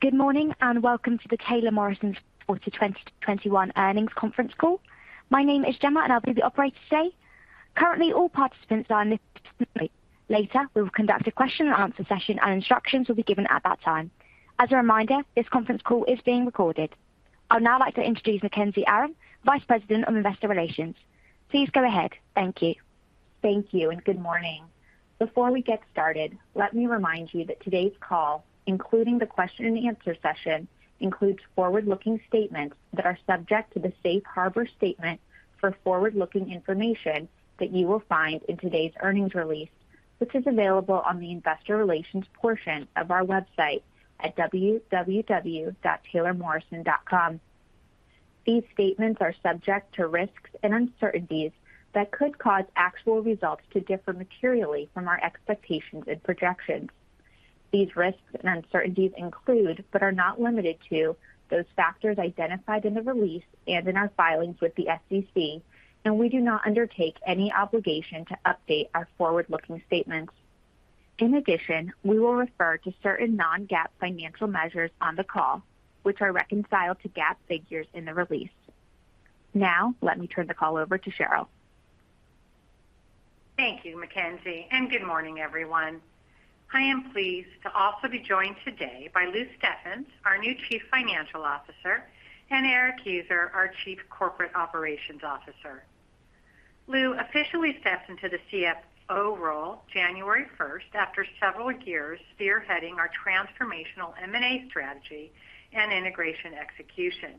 Good morning, and welcome to the Taylor Morrison's Q4 2021 earnings conference call. My name is Gemma, and I'll be the operator today. Currently, all participants are in listen-only mode. Later, we will conduct a question and answer session, and instructions will be given at that time. As a reminder, this conference call is being recorded. I'd now like to introduce Mackenzie Aron, Vice President of Investor Relations. Please go ahead. Thank you. Thank you and good morning. Before we get started, let me remind you that today's call, including the question and answer session, includes forward-looking statements that are subject to the safe harbor statement for forward-looking information that you will find in today's earnings release, which is available on the Investor Relations portion of our website at www.taylormorrison.com. These statements are subject to risks and uncertainties that could cause actual results to differ materially from our expectations and projections. These risks and uncertainties include, but are not limited to, those factors identified in the release and in our filings with the SEC, and we do not undertake any obligation to update our forward-looking statements. In addition, we will refer to certain non-GAAP financial measures on the call, which are reconciled to GAAP figures in the release. Now, let me turn the call over to Sheryl. Thank you, Mackenzie, and good morning, everyone. I am pleased to also be joined today by Lou Steffens, our new Chief Financial Officer, and Erik Heuser, our Chief Corporate Operations Officer. Lou officially steps into the CFO role January 1 after several years spearheading our transformational M&A strategy and integration execution.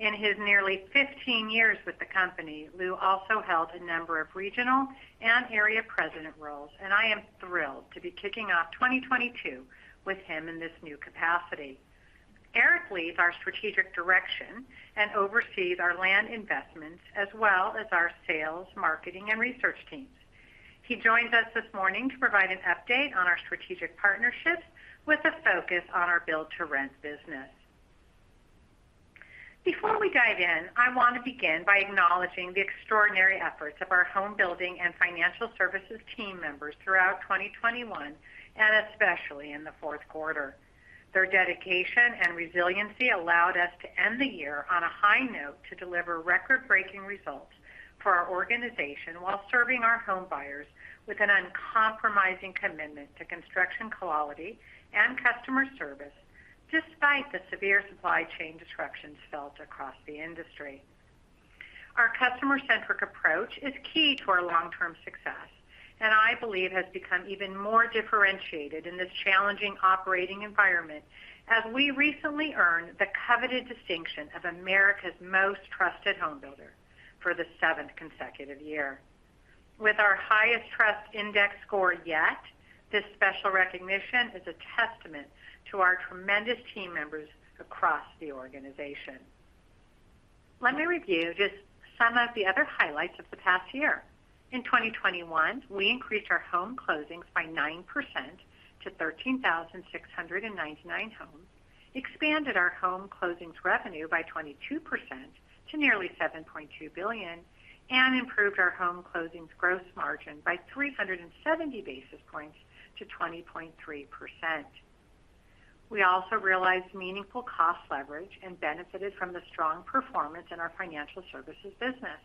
In his nearly 15 years with the company, Lou also held a number of regional and area president roles, and I am thrilled to be kicking off 2022 with him in this new capacity. Erik Heuser leads our strategic direction and oversees our land investments as well as our sales, marketing, and research teams. He joins us this morning to provide an update on our strategic partnerships with a focus on our build-to-rent business. Before we dive in, I want to begin by acknowledging the extraordinary efforts of our home building and financial services team members throughout 2021, and especially in the fourth quarter. Their dedication and resiliency allowed us to end the year on a high note to deliver record-breaking results for our organization while serving our home buyers with an uncompromising commitment to construction quality and customer service despite the severe supply chain disruptions felt across the industry. Our customer-centric approach is key to our long-term success, and I believe has become even more differentiated in this challenging operating environment as we recently earned the coveted distinction of America's Most Trusted Home Builder for the seventh consecutive year. With our highest trust index score yet, this special recognition is a testament to our tremendous team members across the organization. Let me review just some of the other highlights of the past year. In 2021, we increased our home closings by 9% to 13,699 homes, expanded our home closings revenue by 22% to nearly $7.2 billion, and improved our home closings gross margin by 370 basis points to 20.3%. We also realized meaningful cost leverage and benefited from the strong performance in our financial services business.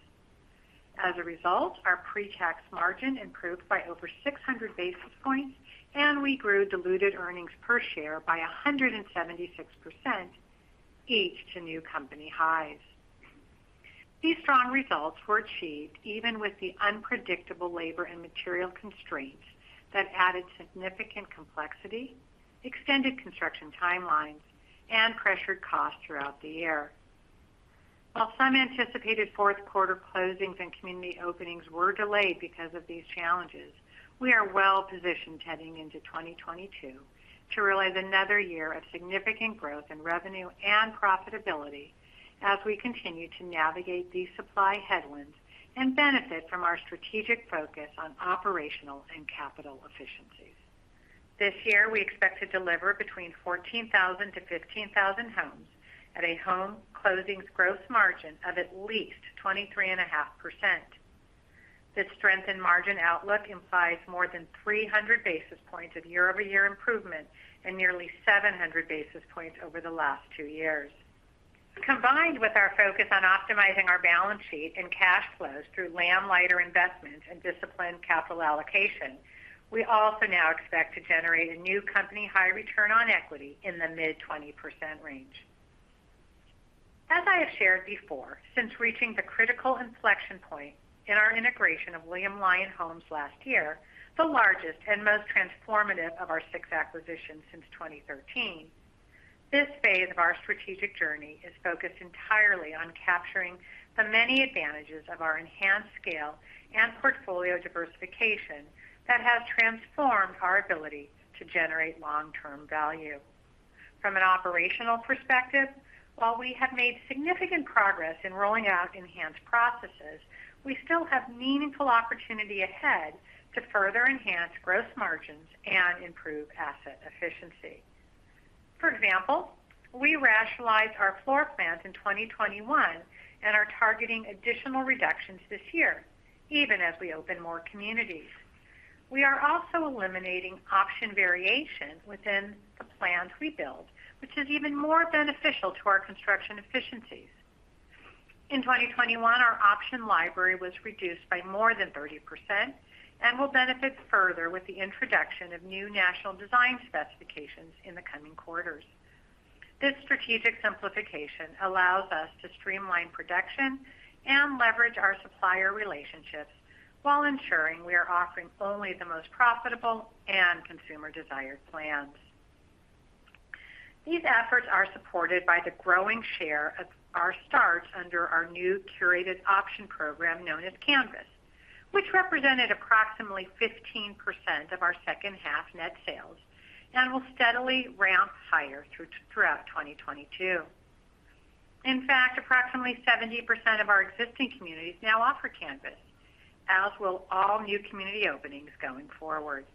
As a result, our pre-tax margin improved by over 600 basis points, and we grew diluted earnings per share by 176%, each to new company highs. These strong results were achieved even with the unpredictable labor and material constraints that added significant complexity, extended construction timelines, and pressured costs throughout the year. While some anticipated fourth-quarter closings and community openings were delayed because of these challenges, we are well positioned heading into 2022 to realize another year of significant growth in revenue and profitability as we continue to navigate these supply headwinds and benefit from our strategic focus on operational and capital efficiencies. This year, we expect to deliver between 14,000-15,000 homes at a home closings gross margin of at least 23.5%. This strength in margin outlook implies more than 300 basis points of year-over-year improvement and nearly 700 basis points over the last two years. Combined with our focus on optimizing our balance sheet and cash flows through landlighter investment and disciplined capital allocation, we also now expect to generate a new company-high return on equity in the mid-20% range. As I have shared before, since reaching the critical inflection point in our integration of William Lyon Homes last year, the largest and most transformative of our six acquisitions since 2013, this phase of our strategic journey is focused entirely on capturing the many advantages of our enhanced scale and portfolio diversification that has transformed our ability to generate long-term value. From an operational perspective, while we have made significant progress in rolling out enhanced processes, we still have meaningful opportunity ahead to further enhance gross margins and improve asset efficiency. For example, we rationalized our floor plans in 2021 and are targeting additional reductions this year even as we open more communities. We are also eliminating option variation within the plans we build, which is even more beneficial to our construction efficiencies. In 2021, our option library was reduced by more than 30% and will benefit further with the introduction of new national design specifications in the coming quarters. This strategic simplification allows us to streamline production and leverage our supplier relationships while ensuring we are offering only the most profitable and consumer desired plans. These efforts are supported by the growing share of our starts under our new curated option program kn`own as Canvas, which represented approximately 15% of our second half net sales and will steadily ramp higher throughout 2022. In fact, approximately 70% of our existing communities now offer Canvas, as will all new community openings going forward.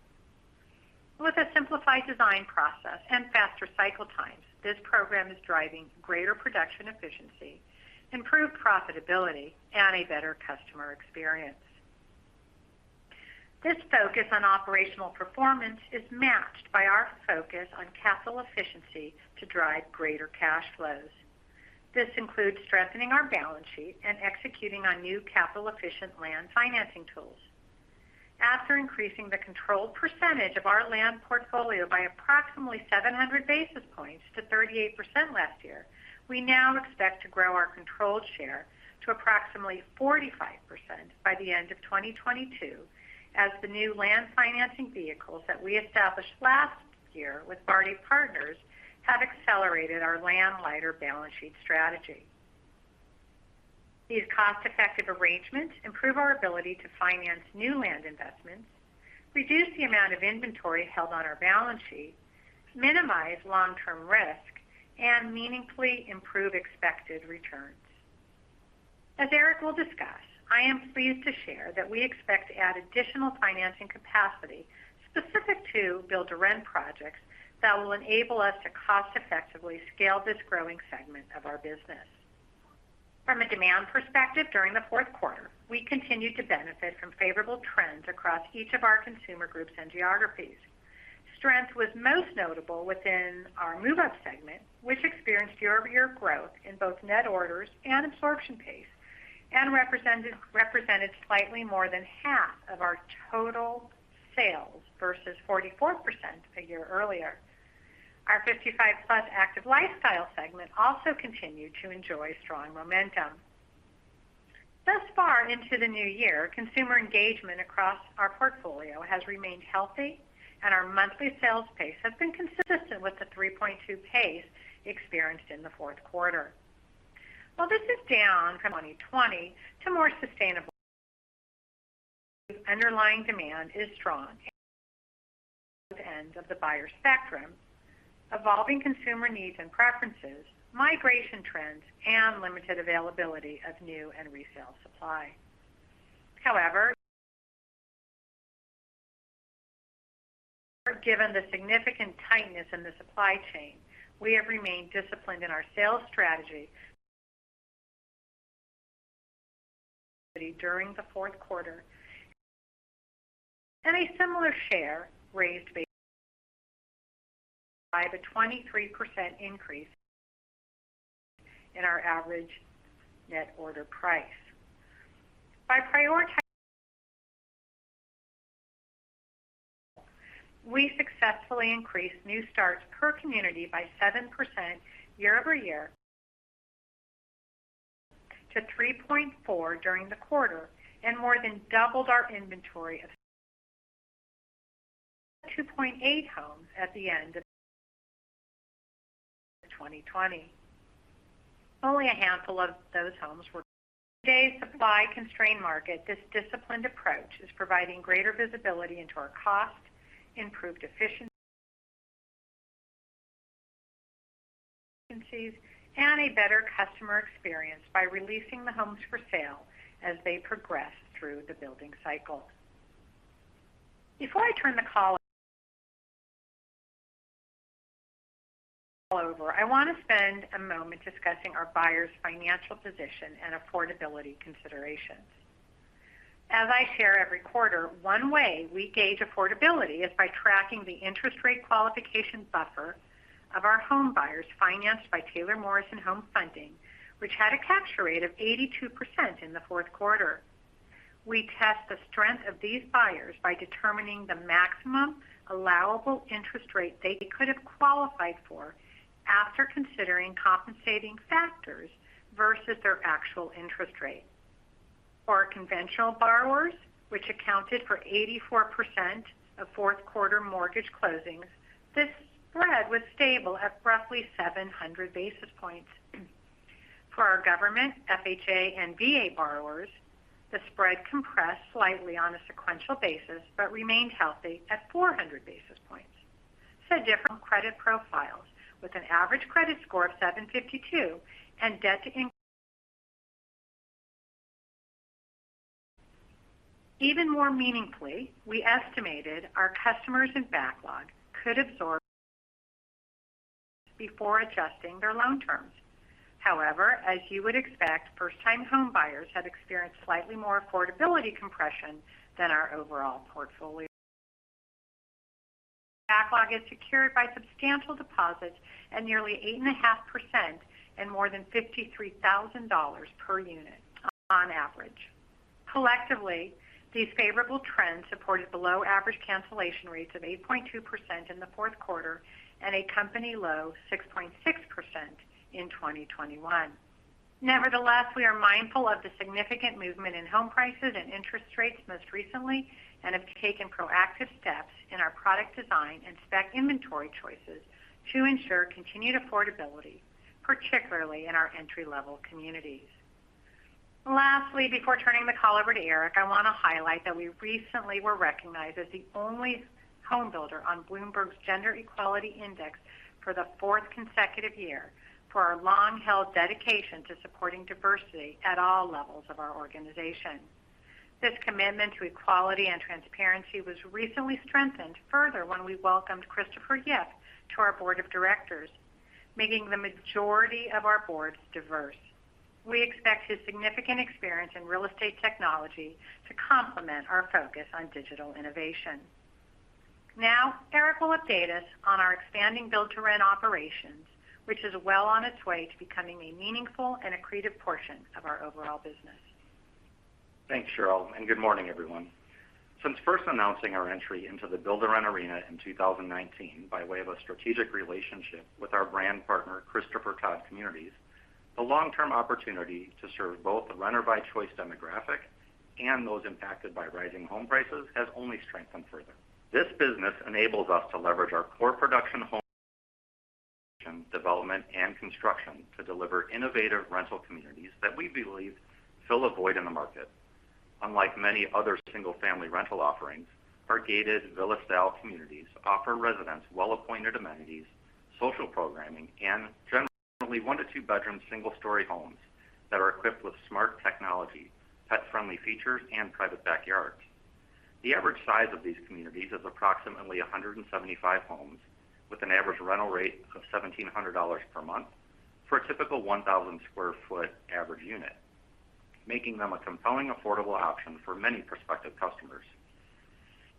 With a simplified design process and faster cycle times, this program is driving greater production efficiency, improved profitability, and a better customer experience. This focus on operational performance is matched by our focus on capital efficiency to drive greater cash flows. This includes strengthening our balance sheet and executing on new capital efficient land financing tools. After increasing the control percentage of our land portfolio by approximately 700 basis points to 38% last year, we now expect to grow our controlled share to approximately 45% by the end of 2022 as the new land financing vehicles that we established last year with Barings partners have accelerated our land-light balance sheet strategy. These cost-effective arrangements improve our ability to finance new land investments, reduce the amount of inventory held on our balance sheet, minimize long-term risk, and meaningfully improve expected returns. As Erik will discuss, I am pleased to share that we expect to add additional financing capacity specific to build-to-rent projects that will enable us to cost effectively scale this growing segment of our business. From a demand perspective during the fourth quarter, we continued to benefit from favorable trends across each of our consumer groups and geographies. Strength was most notable within our move-up segment, which experienced year-over-year growth in both net orders and absorption pace, and represented slightly more than half of our total sales versus 44% a year earlier. Our 55-plus active lifestyle segment also continued to enjoy strong momentum. Thus far into the new year, consumer engagement across our portfolio has remained healthy, and our monthly sales pace has been consistent with the 3.2 pace experienced in the fourth quarter. While this is down from 2020 to more sustainable levels, underlying demand is strong at both ends of the buyer spectrum, evolving consumer needs and preferences, migration trends, and limited availability of new and resale supply. However, given the significant tightness in the supply chain, we have remained disciplined in our sales strategy during the fourth quarter, and similarly raised prices by the 23% increase in our average net order price. By prioritizing, [inaudible] we successfully increased new starts per community by 7% year-over-year to 3.4 during the quarter and more than doubled our inventory of homes to 2.8 homes at the end of 2020. Only a handful of those homes were completed. In today's supply-constrained market, this disciplined approach is providing greater visibility into our cost, improved efficiencies, and a better customer experience by releasing the homes for sale as they progress through the building cycle. Before I turn the call over, I want to spend a moment discussing our buyers' financial position and affordability considerations. As I share every quarter, one way we gauge affordability is by tracking the interest rate qualification buffer of our home buyers financed by Taylor Morrison Home Funding, which had a capture rate of 82% in the fourth quarter. We test the strength of these buyers by determining the maximum allowable interest rate they could have qualified for after considering compensating factors versus their actual interest rate. For our conventional borrowers, which accounted for 84% of fourth quarter mortgage closings, this spread was stable at roughly 700 basis points. For our government, FHA, and VA borrowers, the spread compressed slightly on a sequential basis but remained healthy at 400 basis points. Different credit profiles with an average credit score of 752 and debt to income. Even more meaningfully, we estimated our customers in backlog could absorb before adjusting their loan terms. However, as you would expect, first-time home buyers have experienced slightly more affordability compression than our overall portfolio. Backlog is secured by substantial deposits at nearly 8.5% and more than $53,000 per unit on average. Collectively, these favorable trends supported the low average cancellation rates of 8.2% in the fourth quarter and a company low 6.6% in 2021. Nevertheless, we are mindful of the significant movement in home prices and interest rates most recently and have taken proactive steps in our product design and spec inventory choices to ensure continued affordability, particularly in our entry-level communities. Lastly, before turning the call over to Erik, I want to highlight that we recently were recognized as the only home builder on Bloomberg's Gender-Equality Index for the fourth consecutive year for our long-held dedication to supporting diversity at all levels of our organization. This commitment to equality and transparency was recently strengthened further when we welcomed Christopher Yip to our board of directors, making the majority of our board diverse. We expect his significant experience in real estate technology to complement our focus on digital innovation. Now, Erik will update us on our expanding build-to-rent operations, which is well on its way to becoming a meaningful and accretive portion of our overall business. Thanks, Sheryl, and good morning, everyone. Since first announcing our entry into the build-to-rent arena in 2019 by way of a strategic relationship with our brand partner, Christopher Todd Communities, the long-term opportunity to serve both the renter-by-choice demographic and those impacted by rising home prices has only strengthened further. This business enables us to leverage our core production home development and construction to deliver innovative rental communities that we believe fill a void in the market. Unlike many other single-family rental offerings, our gated villa-style communities offer residents well-appointed amenities, social programming, and generally one- to two-bedroom single-story homes that are equipped with smart technology, pet-friendly features, and private backyards. The average size of these communities is approximately 175 homes with an average rental rate of $1,700 per month for a typical 1,000 sq ft average unit, making them a compelling, affordable option for many prospective customers.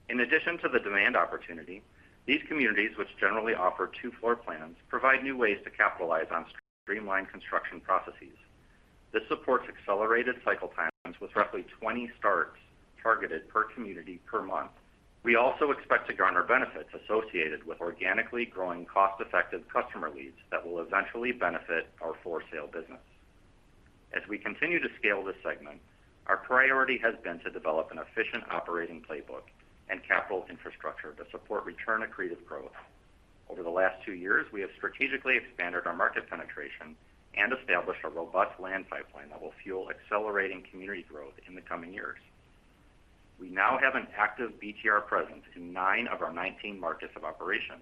In addition to the demand opportunity, these communities, which generally offer two floor plans, provide new ways to capitalize on streamlined construction processes. This supports accelerated cycle times with roughly 20 starts targeted per community per month. We also expect to garner benefits associated with organically growing cost-effective customer leads that will eventually benefit our for-sale business. As we continue to scale this segment, our priority has been to develop an efficient operating playbook and capital infrastructure to support return accretive growth. Over the last two years, we have strategically expanded our market penetration and established a robust land pipeline that will fuel accelerating community growth in the coming years. We now have an active BTR presence in nine of our 19 markets of operation,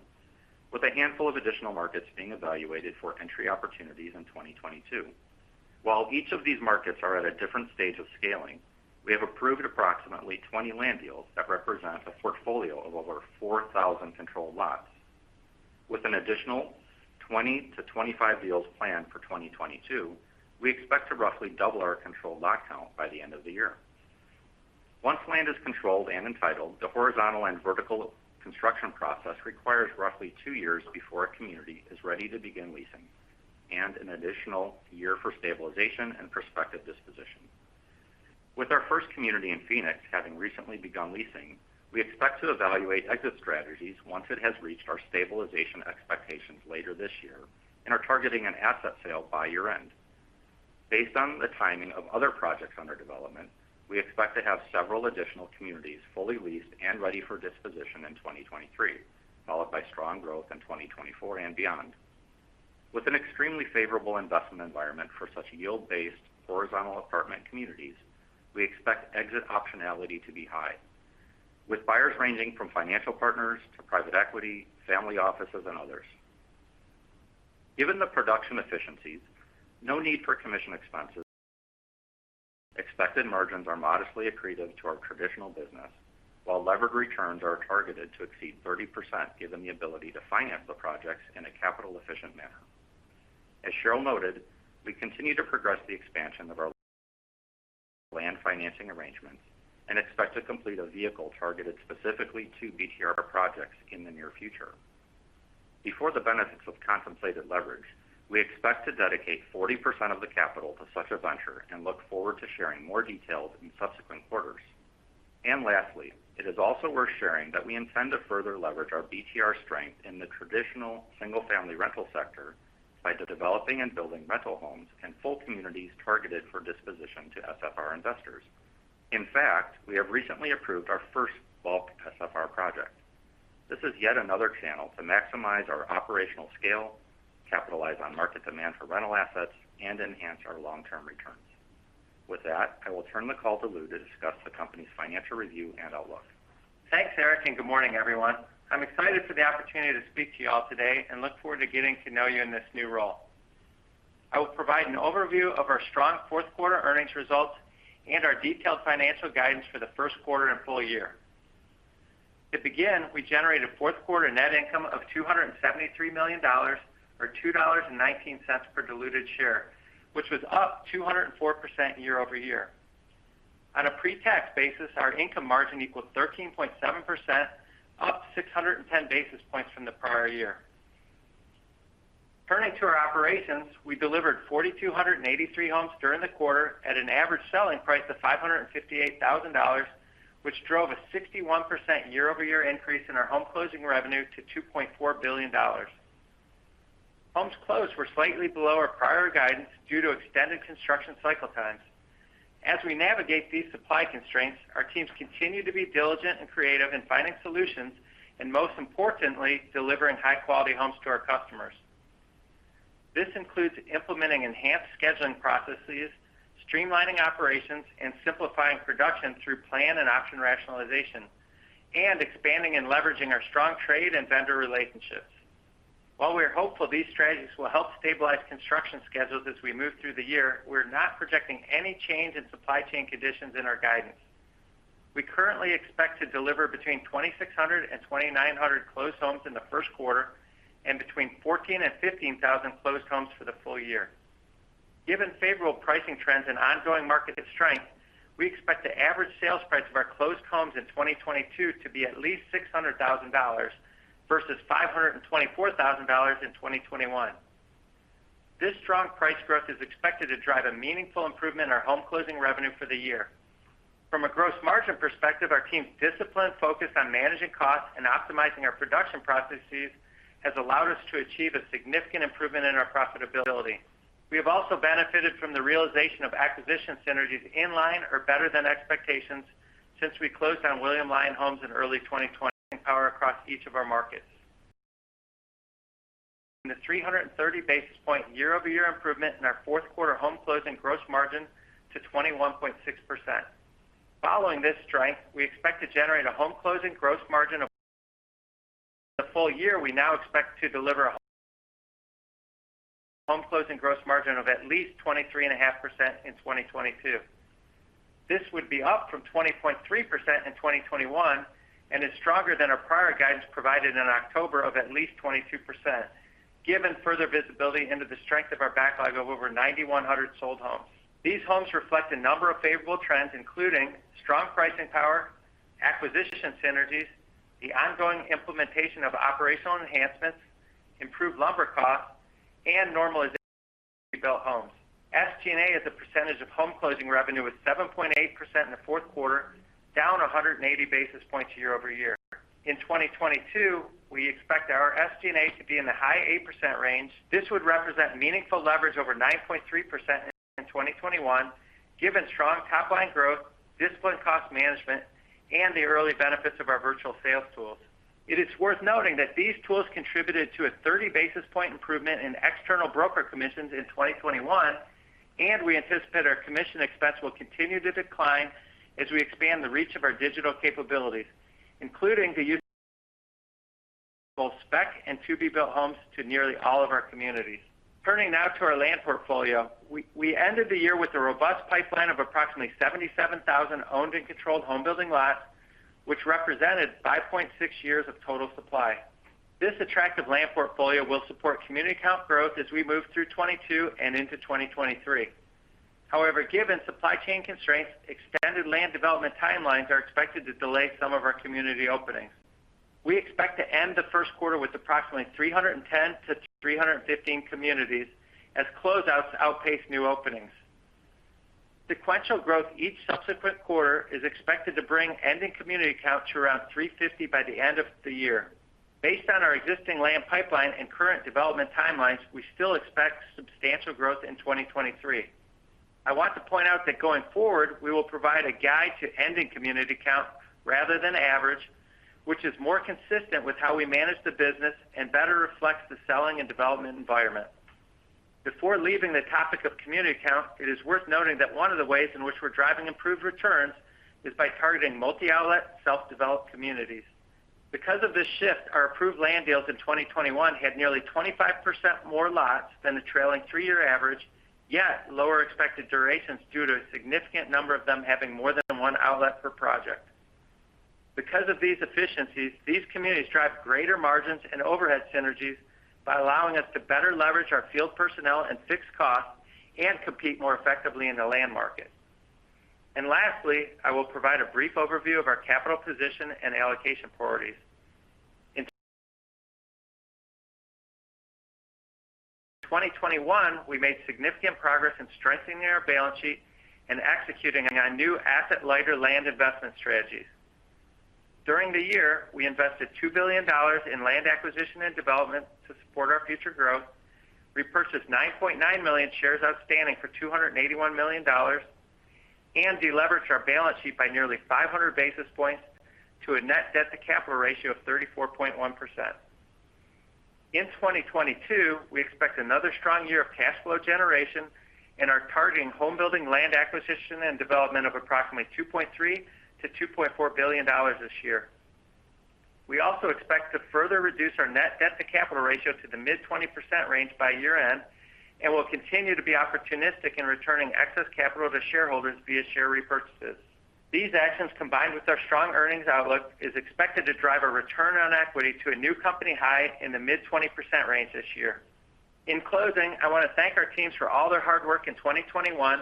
with a handful of additional markets being evaluated for entry opportunities in 2022. While each of these markets are at a different stage of scaling, we have approved approximately 20 land deals that represent a portfolio of over 4,000 controlled lots. With an additional 20-25 deals planned for 2022, we expect to roughly double our controlled lot count by the end of the year. Once land is controlled and entitled, the horizontal and vertical construction process requires roughly two years before a community is ready to begin leasing and an additional year for stabilization and prospective disposition. With our first community in Phoenix having recently begun leasing, we expect to evaluate exit strategies once it has reached our stabilization expectations later this year and are targeting an asset sale by year-end. Based on the timing of other projects under development, we expect to have several additional communities fully leased and ready for disposition in 2023, followed by strong growth in 2024 and beyond. With an extremely favorable investment environment for such yield-based horizontal apartment communities, we expect exit optionality to be high, with buyers ranging from financial partners to private equity, family offices, and others. Given the production efficiencies, no need for commission expenses, expected margins are modestly accretive to our traditional business, while levered returns are targeted to exceed 30% given the ability to finance the projects in a capital-efficient manner. As Sheryl noted, we continue to progress the expansion of our land financing arrangements and expect to complete a vehicle targeted specifically to BTR projects in the near future. Before the benefits of contemplated leverage, we expect to dedicate 40% of the capital to such a venture and look forward to sharing more details in subsequent quarters. Lastly, it is also worth sharing that we intend to further leverage our BTR strength in the traditional single-family rental sector by developing and building rental homes and full communities targeted for disposition to SFR investors. In fact, we have recently approved our first bulk SFR project. This is yet another channel to maximize our operational scale, capitalize on market demand for rental assets, and enhance our long-term returns. With that, I will turn the call to Lou to discuss the company's financial review and outlook. Thanks, Erik, and good morning, everyone. I'm excited for the opportunity to speak to you all today and look forward to getting to know you in this new role. I will provide an overview of our strong fourth quarter earnings results and our detailed financial guidance for the first quarter and full year. To begin, we generated fourth quarter net income of $273 million or $2.19 per diluted share, which was up 204% year-over-year. On a pre-tax basis, our income margin equals 13.7%, up 610 basis points from the prior year. Turning to our operations, we delivered 4,283 homes during the quarter at an average selling price of $558,000, which drove a 61% year-over-year increase in our home closing revenue to $2.4 billion. Homes closed were slightly below our prior guidance due to extended construction cycle times. As we navigate these supply constraints, our teams continue to be diligent and creative in finding solutions and most importantly, delivering high quality homes to our customers. This includes implementing enhanced scheduling processes, streamlining operations, and simplifying production through plan and option rationalization, and expanding and leveraging our strong trade and vendor relationships. While we are hopeful these strategies will help stabilize construction schedules as we move through the year, we're not projecting any change in supply chain conditions in our guidance. We currently expect to deliver between 2,600 and 2,900 closed homes in the first quarter and between 14,000 and 15,000 closed homes for the full year. Given favorable pricing trends and ongoing market strength, we expect the average sales price of our closed homes in 2022 to be at least $600,000 versus $524,000 in 2021. This strong price growth is expected to drive a meaningful improvement in our home closing revenue for the year. From a gross margin perspective, our team's discipline focused on managing costs and optimizing our production processes has allowed us to achieve a significant improvement in our profitability. We have also benefited from the realization of acquisition synergies in line or better than expectations since we closed on William Lyon Homes in early 2020 across each of our markets. The 330 basis point year-over-year improvement in our fourth quarter home closing gross margin to 21.6%. Following this strength, we expect to generate a home closing gross margin for the full year. We now expect to deliver a home closing gross margin of at least 23.5% in 2022. This would be up from 20.3% in 2021 and is stronger than our prior guidance provided in October of at least 22%, given further visibility into the strength of our backlog of over 9,100 sold homes. These homes reflect a number of favorable trends, including strong pricing power, acquisition synergies, the ongoing implementation of operational enhancements, improved lumber costs, and normalization of to-be-built homes. SG&A as a percentage of home closing revenue was 7.8% in the fourth quarter, down 180 basis points year-over-year. In 2022, we expect our SG&A to be in the high 8% range. This would represent meaningful leverage over 9.3% in 2021, given strong top line growth, disciplined cost management, and the early benefits of our virtual sales tools. It is worth noting that these tools contributed to a 30 basis point improvement in external broker commissions in 2021, and we anticipate our commission expense will continue to decline as we expand the reach of our digital capabilities, including the use of both spec and to-be-built homes to nearly all of our communities. Turning now to our land portfolio, we ended the year with a robust pipeline of approximately 77,000 owned and controlled home building lots, which represented 5.6 years of total supply. This attractive land portfolio will support community count growth as we move through 2022 and into 2023. However, given supply chain constraints, extended land development timelines are expected to delay some of our community openings. We expect to end the first quarter with approximately 310-315 communities as closeouts outpace new openings. Sequential growth each subsequent quarter is expected to bring ending community count to around 350 by the end of the year. Based on our existing land pipeline and current development timelines, we still expect substantial growth in 2023. I want to point out that going forward, we will provide a guide to ending community count rather than average, which is more consistent with how we manage the business and better reflects the selling and development environment. Before leaving the topic of community count, it is worth noting that one of the ways in which we're driving improved returns is by targeting multi-outlet, self-developed communities. Because of this shift, our approved land deals in 2021 had nearly 25% more lots than the trailing three-year average, yet lower expected durations due to a significant number of them having more than one outlet per project. Because of these efficiencies, these communities drive greater margins and overhead synergies by allowing us to better leverage our field personnel and fixed costs and compete more effectively in the land market. Lastly, I will provide a brief overview of our capital position and allocation priorities. In 2021, we made significant progress in strengthening our balance sheet and executing on our new asset lighter land investment strategies. During the year, we invested $2 billion in land acquisition and development to support our future growth, repurchased 9.9 million shares outstanding for $281 million, and deleveraged our balance sheet by nearly 500 basis points to a net debt to capital ratio of 34.1%. In 2022, we expect another strong year of cash flow generation and are targeting home building land acquisition and development of approximately $2.3 billion-$2.4 billion this year. We also expect to further reduce our net debt to capital ratio to the mid-20% range by year-end, and we'll continue to be opportunistic in returning excess capital to shareholders via share repurchases. These actions, combined with our strong earnings outlook, is expected to drive a return on equity to a new company high in the mid-20% range this year. In closing, I want to thank our teams for all their hard work in 2021.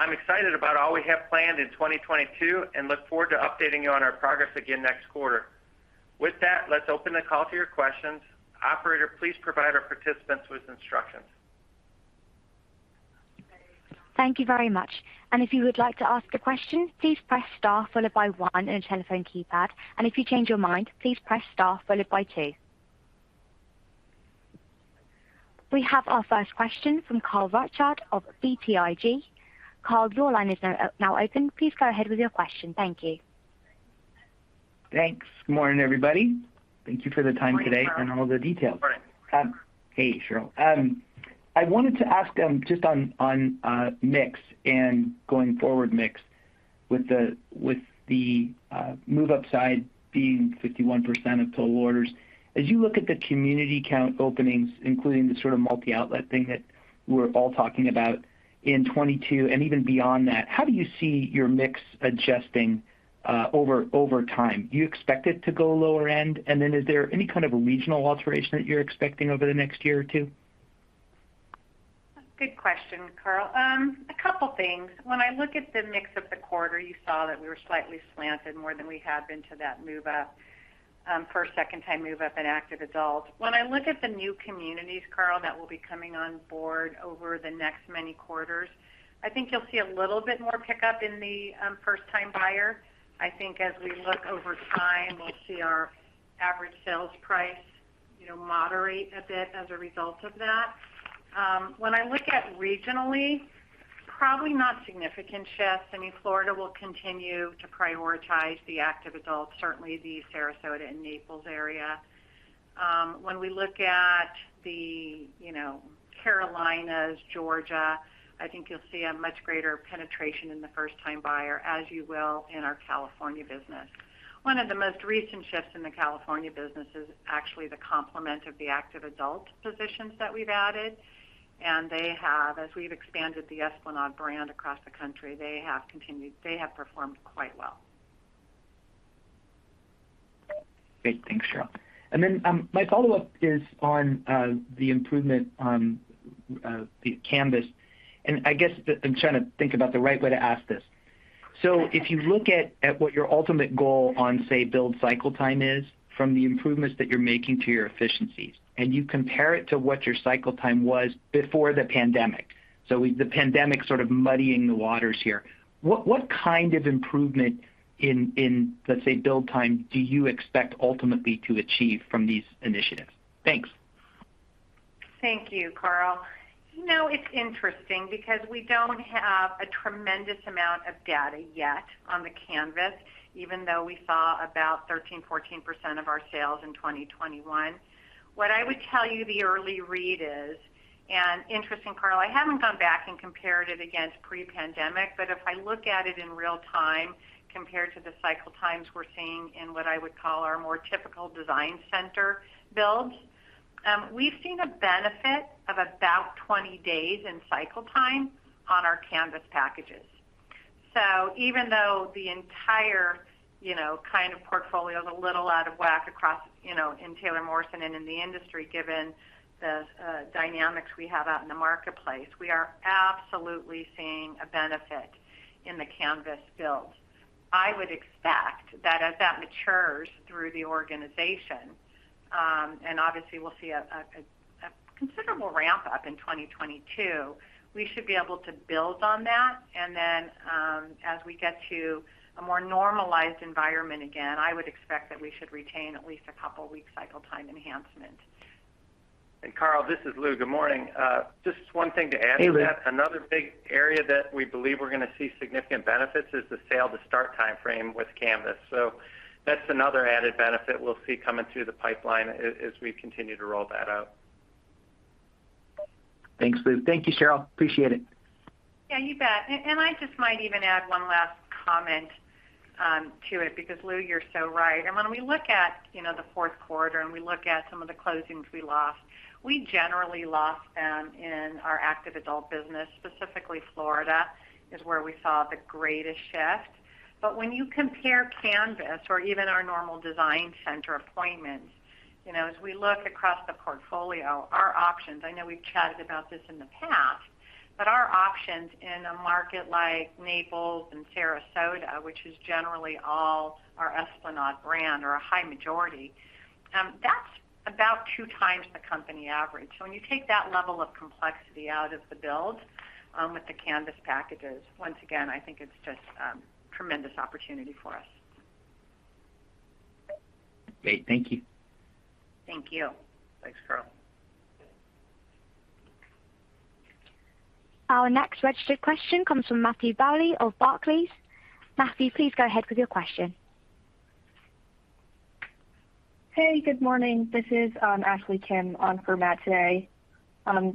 I'm excited about all we have planned in 2022 and look forward to updating you on our progress again next quarter. With that, let's open the call to your questions. Operator, please provide our participants with instructions. Thank you very much. If you would like to ask a question, please press star followed by one on your telephone keypad. If you change your mind, please press star followed by two. We have our first question from Carl Reichardt of BTIG. Carl, your line is now open. Please go ahead with your question. Thank you. Thanks. Good morning, everybody. Thank you for the time today and all the details. Hey, Sheryl. I wanted to ask, just on mix and going forward mix with the move-up side being 51% of total orders. As you look at the community count openings, including the sort of multi-outlet thing that we're all talking about in 2022 and even beyond that, how do you see your mix adjusting over time? Do you expect it to go lower end? Is there any kind of regional alteration that you're expecting over the next year or two? Good question, Carl. A couple of things. When I look at the mix of the quarter, you saw that we were slightly slanted more than we have been to that move up, first- and second-time move-up in active adult. When I look at the new communities, Carl, that will be coming on board over the next many quarters, I think you'll see a little bit more pickup in the first-time buyer. I think as we look over time, we'll see our average sales price, you know, moderate a bit as a result of that. When I look at it regionally, probably not significant shifts. I mean, Florida will continue to prioritize the active adults, certainly the Sarasota and Naples area. When we look at the, you know, Carolinas, Georgia, I think you'll see a much greater penetration in the first-time buyer, as you will in our California business. One of the most recent shifts in the California business is actually the complement of the active adult positions that we've added. They have, as we've expanded the Esplanade brand across the country, performed quite well. Great. Thanks, Sheryl. My follow-up is on the improvement on the Canvas. I guess that I'm trying to think about the right way to ask this. If you look at what your ultimate goal on, say, build cycle time is from the improvements that you're making to your efficiencies, and you compare it to what your cycle time was before the pandemic. With the pandemic sort of muddying the waters here, what kind of improvement in, let's say, build time do you expect ultimately to achieve from these initiatives? Thanks. Thank you, Carl. You know, it's interesting because we don't have a tremendous amount of data yet on the Canvas, even though we saw about 13%-14% of our sales in 2021. What I would tell you the early read is, and interesting, Carl, I haven't gone back and compared it against pre-pandemic, but if I look at it in real time, compared to the cycle times we're seeing in what I would call our more typical design center builds, we've seen a benefit of about 20-days in cycle time on our Canvas packages. Even though the entire, you know, kind of portfolio is a little out of whack across, you know, in Taylor Morrison and in the industry, given the dynamics we have out in the marketplace, we are absolutely seeing a benefit in the Canvas build. I would expect that as that matures through the organization, and obviously we'll see a considerable ramp up in 2022, we should be able to build on that. As we get to a more normalized environment again, I would expect that we should retain at least a couple of week cycle time enhancement. Carl, this is Lou. Good morning. Just one thing to add to that. Hey, Lou. Another big area that we believe we're going to see significant benefits is the sale to start time frame with Canvas. That's another added benefit we'll see coming through the pipeline as we continue to roll that out. Thanks, Lou. Thank you, Sheryl. Appreciate it. Yeah, you bet. I just might even add one last comment to it, because Lou, you're so right. When we look at, you know, the fourth quarter and we look at some of the closings we lost, we generally lost them in our active adult business. Specifically, Florida is where we saw the greatest shift. When you compare Canvas or even our normal design center appointments, you know, as we look across the portfolio, our options, I know we've chatted about this in the past, but our options in a market like Naples and Sarasota, which is generally all our Esplanade brand or a high majority, that's about 2x the company average. When you take that level of complexity out of the build with the Canvas packages, once again, I think it's just tremendous opportunity for us. Great. Thank you. Thank you. Thanks, Carl. Our next registered question comes from Matthew Bouley of Barclays. Matthew, please go ahead with your question. Hey, good morning. This is Ashley Kim on for Matt today.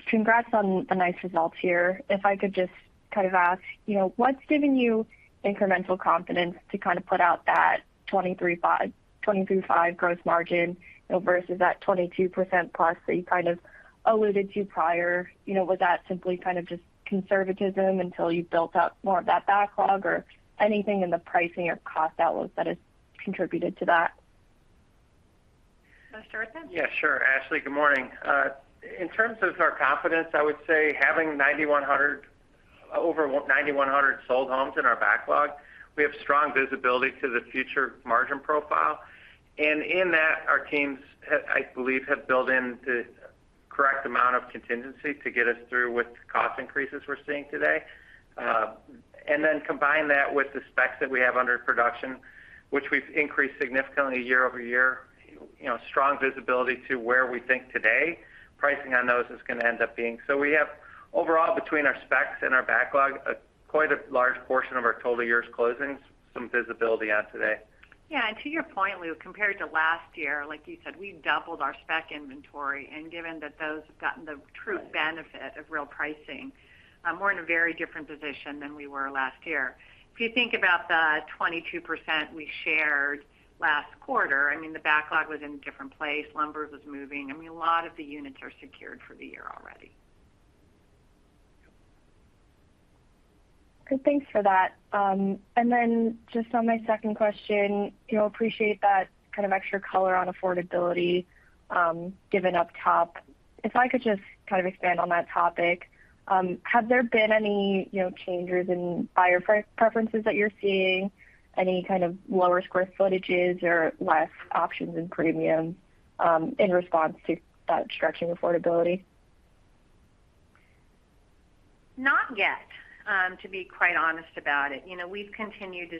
Congrats on the nice results here. If I could just kind of ask, you know, what's given you incremental confidence to kind of put out that 23.5; 23.5 gross margin, you know, versus that 22%+ that you kind of alluded to prior? You know, was that simply kind of just conservatism until you built up more of that backlog or anything in the pricing or cost outlook that has contributed to that? You want to start with that? Yeah, sure. Ashley, good morning. In terms of our confidence, I would say having over 9,100 sold homes in our backlog, we have strong visibility to the future margin profile. In that, our teams have, I believe, built in the correct amount of contingency to get us through with cost increases we're seeing today. Combine that with the specs that we have under production, which we've increased significantly year-over-year, you know, strong visibility to where we think today pricing on those is going to end up being. We have overall, between our specs and our backlog, quite a large portion of our total year's closings, some visibility on today. Yeah. To your point, Lou, compared to last year, like you said, we doubled our spec inventory. Given that those have gotten the true benefit of real pricing, we're in a very different position than we were last year. If you think about the 22% we shared last quarter, I mean, the backlog was in a different place. Lumber was moving. I mean, a lot of the units are secured for the year already. Good. Thanks for that. Just on my second question, you know, appreciate that kind of extra color on affordability, given up top. If I could just kind of expand on that topic, have there been any, you know, changes in buyer preferences that you're seeing, any kind of lower square footages or less options in premium, in response to that stretching affordability? Not yet, to be quite honest about it. You know, we've continued to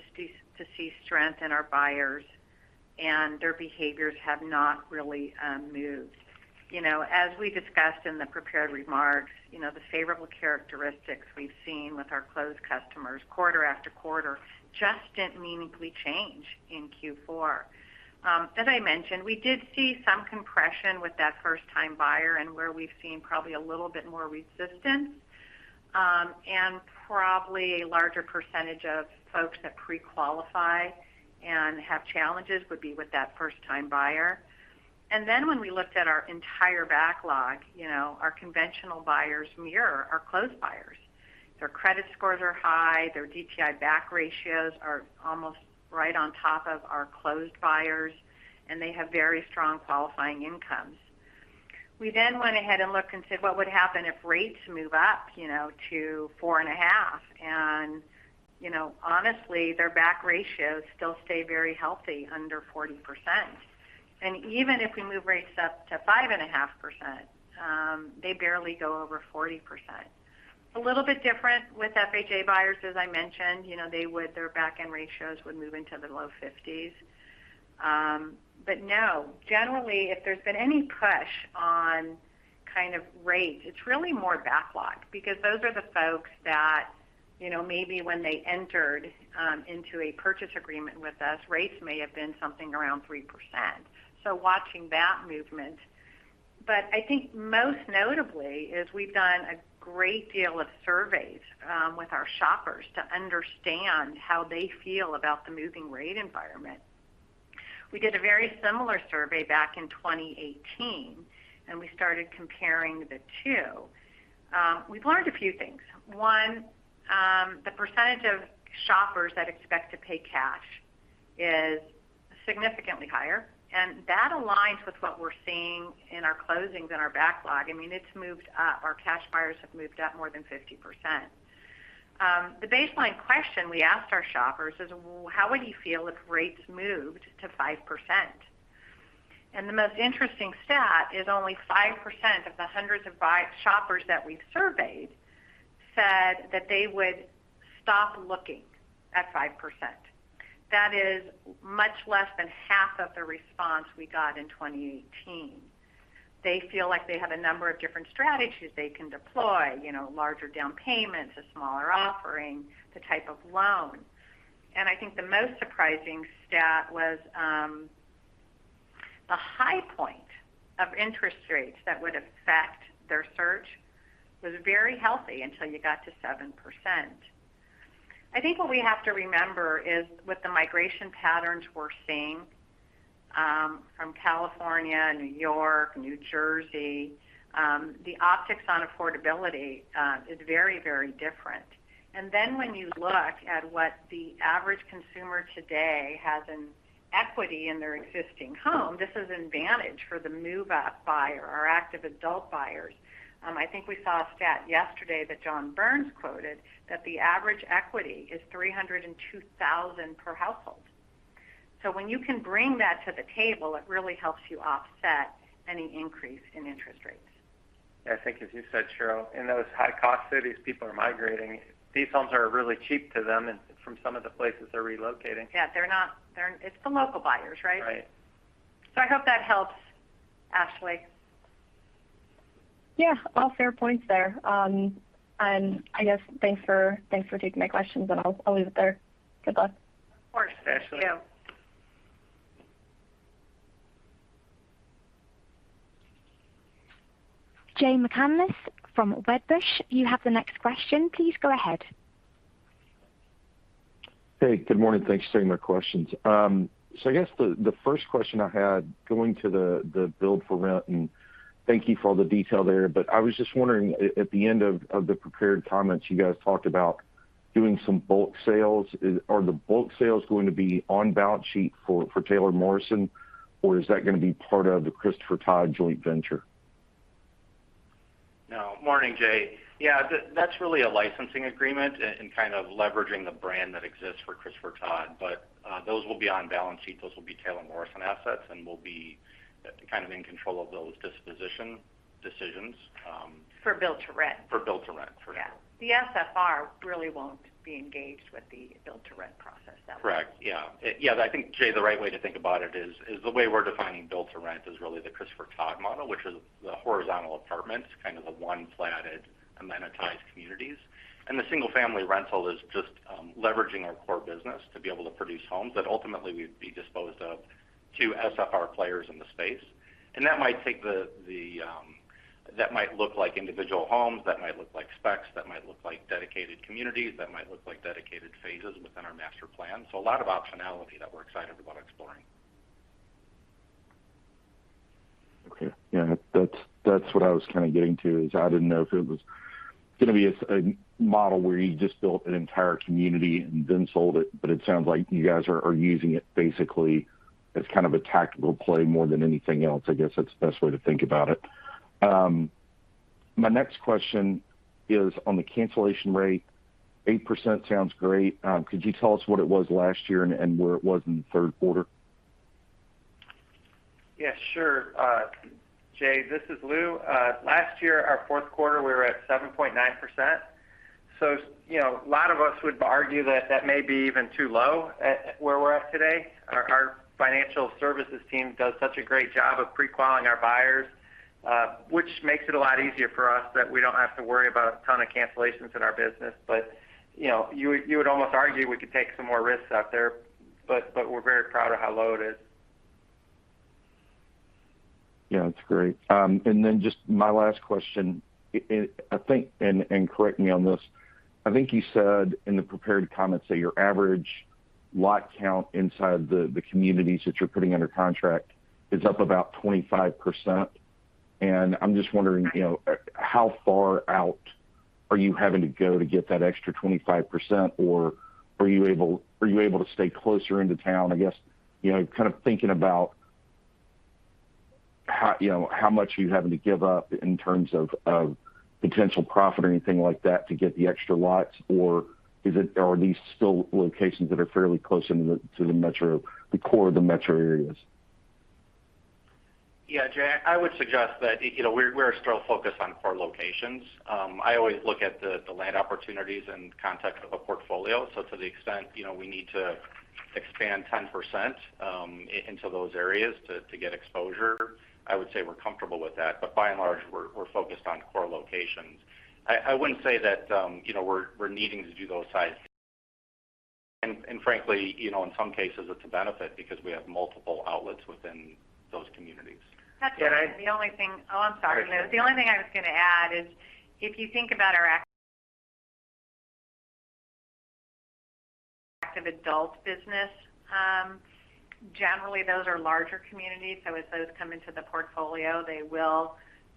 see strength in our buyers, and their behaviors have not really moved. You know, as we discussed in the prepared remarks, you know, the favorable characteristics we've seen with our closed customers quarter after quarter just didn't meaningfully change in Q4. As I mentioned, we did see some compression with that first-time buyer and where we've seen probably a little bit more resistance, and probably a larger percentage of folks that pre-qualify and have challenges would be with that first-time buyer. Then when we looked at our entire backlog, you know, our conventional buyers mirror our closed buyers. Their credit scores are high, their DTI back-end ratios are almost right on top of our closed buyers, and they have very strong qualifying incomes. We then went ahead and looked and said, "What would happen if rates move up, you know, to 4.5?" You know, honestly, their back ratios still stay very healthy under 40%. Even if we move rates up to 5.5%, they barely go over 40%. A little bit different with FHA buyers, as I mentioned. You know, their back-end ratios would move into the low 50s. No, generally, if there's been any push on kind of rates, it's really more backlog because those are the folks that, you know, maybe when they entered into a purchase agreement with us, rates may have been something around 3%, so watching that movement. I think most notably is we've done a great deal of surveys with our shoppers to understand how they feel about the mortgage rate environment. We did a very similar survey back in 2018, and we started comparing the two. We've learned a few things. One, the percentage of shoppers that expect to pay cash is significantly higher, and that aligns with what we're seeing in our closings and our backlog. I mean, it's moved up. Our cash buyers have moved up more than 50%. The baseline question we asked our shoppers is, "Well, how would you feel if rates moved to 5%?" The most interesting stat is only 5% of the hundreds of shoppers that we surveyed said that they would stop looking at 5%. That is much less than half of the response we got in 2018. They feel like they have a number of different strategies they can deploy, you know, larger down payments, a smaller offering, the type of loan. I think the most surprising stat was the high point of interest rates that would affect their search was very healthy until you got to 7%. I think what we have to remember is with the migration patterns we're seeing from California, New York, New Jersey, the optics on affordability is very, very different. When you look at what the average consumer today has in equity in their existing home, this is an advantage for the move-up buyer or active adult buyers. I think we saw a stat yesterday that John Burns quoted that the average equity is $302,000 per household. When you can bring that to the table, it really helps you offset any increase in interest rates. Yeah. I think as you said, Sheryl, in those high-cost cities, people are migrating. These homes are really cheap to them and from some of the places they're relocating. Yeah, it's the local buyers, right? Right. I hope that helps, Ashley. Yeah. All fair points there. I guess thanks for taking my questions, and I'll leave it there. Good luck. Of course. Thanks, Ashley. Jay McCanless from Wedbush, you have the next question. Please go ahead. Hey, good morning. Thanks for taking my questions. I guess the first question I had going to the build for rent, and thank you for all the detail there, but I was just wondering, at the end of the prepared comments, you guys talked about doing some bulk sales. Are the bulk sales going to be on balance sheet for Taylor Morrison, or is that going to be part of the Christopher Todd joint venture? Good morning, Jay. Yeah, that's really a licensing agreement and kind of leveraging the brand that exists for Christopher Todd. Those will be on balance sheet. Those will be Taylor Morrison assets, and we'll be kind of in control of those disposition decisions. For build-to-rent. For build-to-rent. For sure. Yeah. The SFR really won't be engaged with the build to rent process. Correct. Yeah. I think, Jay, the right way to think about it is the way we're defining build to rent is really the Christopher Todd model, which is the horizontal apartments, kind of the one-platted amenitized communities. The single-family rental is just leveraging our core business to be able to produce homes that ultimately would be disposed of to SFR players in the space. That might look like individual homes, that might look like specs, that might look like dedicated communities, that might look like dedicated phases within our master plan. A lot of optionality that we're excited about exploring. Okay. Yeah, that's what I was kind of getting to, is I didn't know if it was going to be a model where you just built an entire community and then sold it. It sounds like you guys are using it basically as kind of a tactical play more than anything else. I guess that's the best way to think about it. My next question is on the cancellation rate. 8% sounds great. Could you tell us what it was last year and where it was in the third quarter? Yeah, sure. Jay, this is Lou. Last year, our fourth quarter, we were at 7.9%. You know, a lot of us would argue that that may be even too low at where we're at today. Our financial services team does such a great job of pre-qualifying our buyers, which makes it a lot easier for us that we don't have to worry about a ton of cancellations in our business. You know, you would almost argue we could take some more risks out there, but we're very proud of how low it is. Yeah, that's great. Then just my last question. I think, and correct me on this, I think you said in the prepared comments that your average lot count inside the communities that you're putting under contract is up about 25%. I'm just wondering, you know, how far out are you having to go to get that extra 25%, or are you able to stay closer into town? I guess, you know, kind of thinking about how, you know, how much are you having to give up in terms of potential profit or anything like that to get the extra lots? Is it, are these still locations that are fairly close in to the metro, the core of the metro areas? Yeah. Jay, I would suggest that, you know, we're still focused on core locations. I always look at the land opportunities in context of a portfolio. To the extent, you know, we need to expand 10%, into those areas to get exposure, I would say we're comfortable with that. By and large, we're focused on core locations. I wouldn't say that, you know, we're needing to do those sizes. Frankly, you know, in some cases it's a benefit because we have multiple outlets within those communities. That's right. The only thing. Oh, I'm sorry, Lou. The only thing I was going to add is if you think about our active adult business, generally those are larger communities. As those come into the portfolio, they will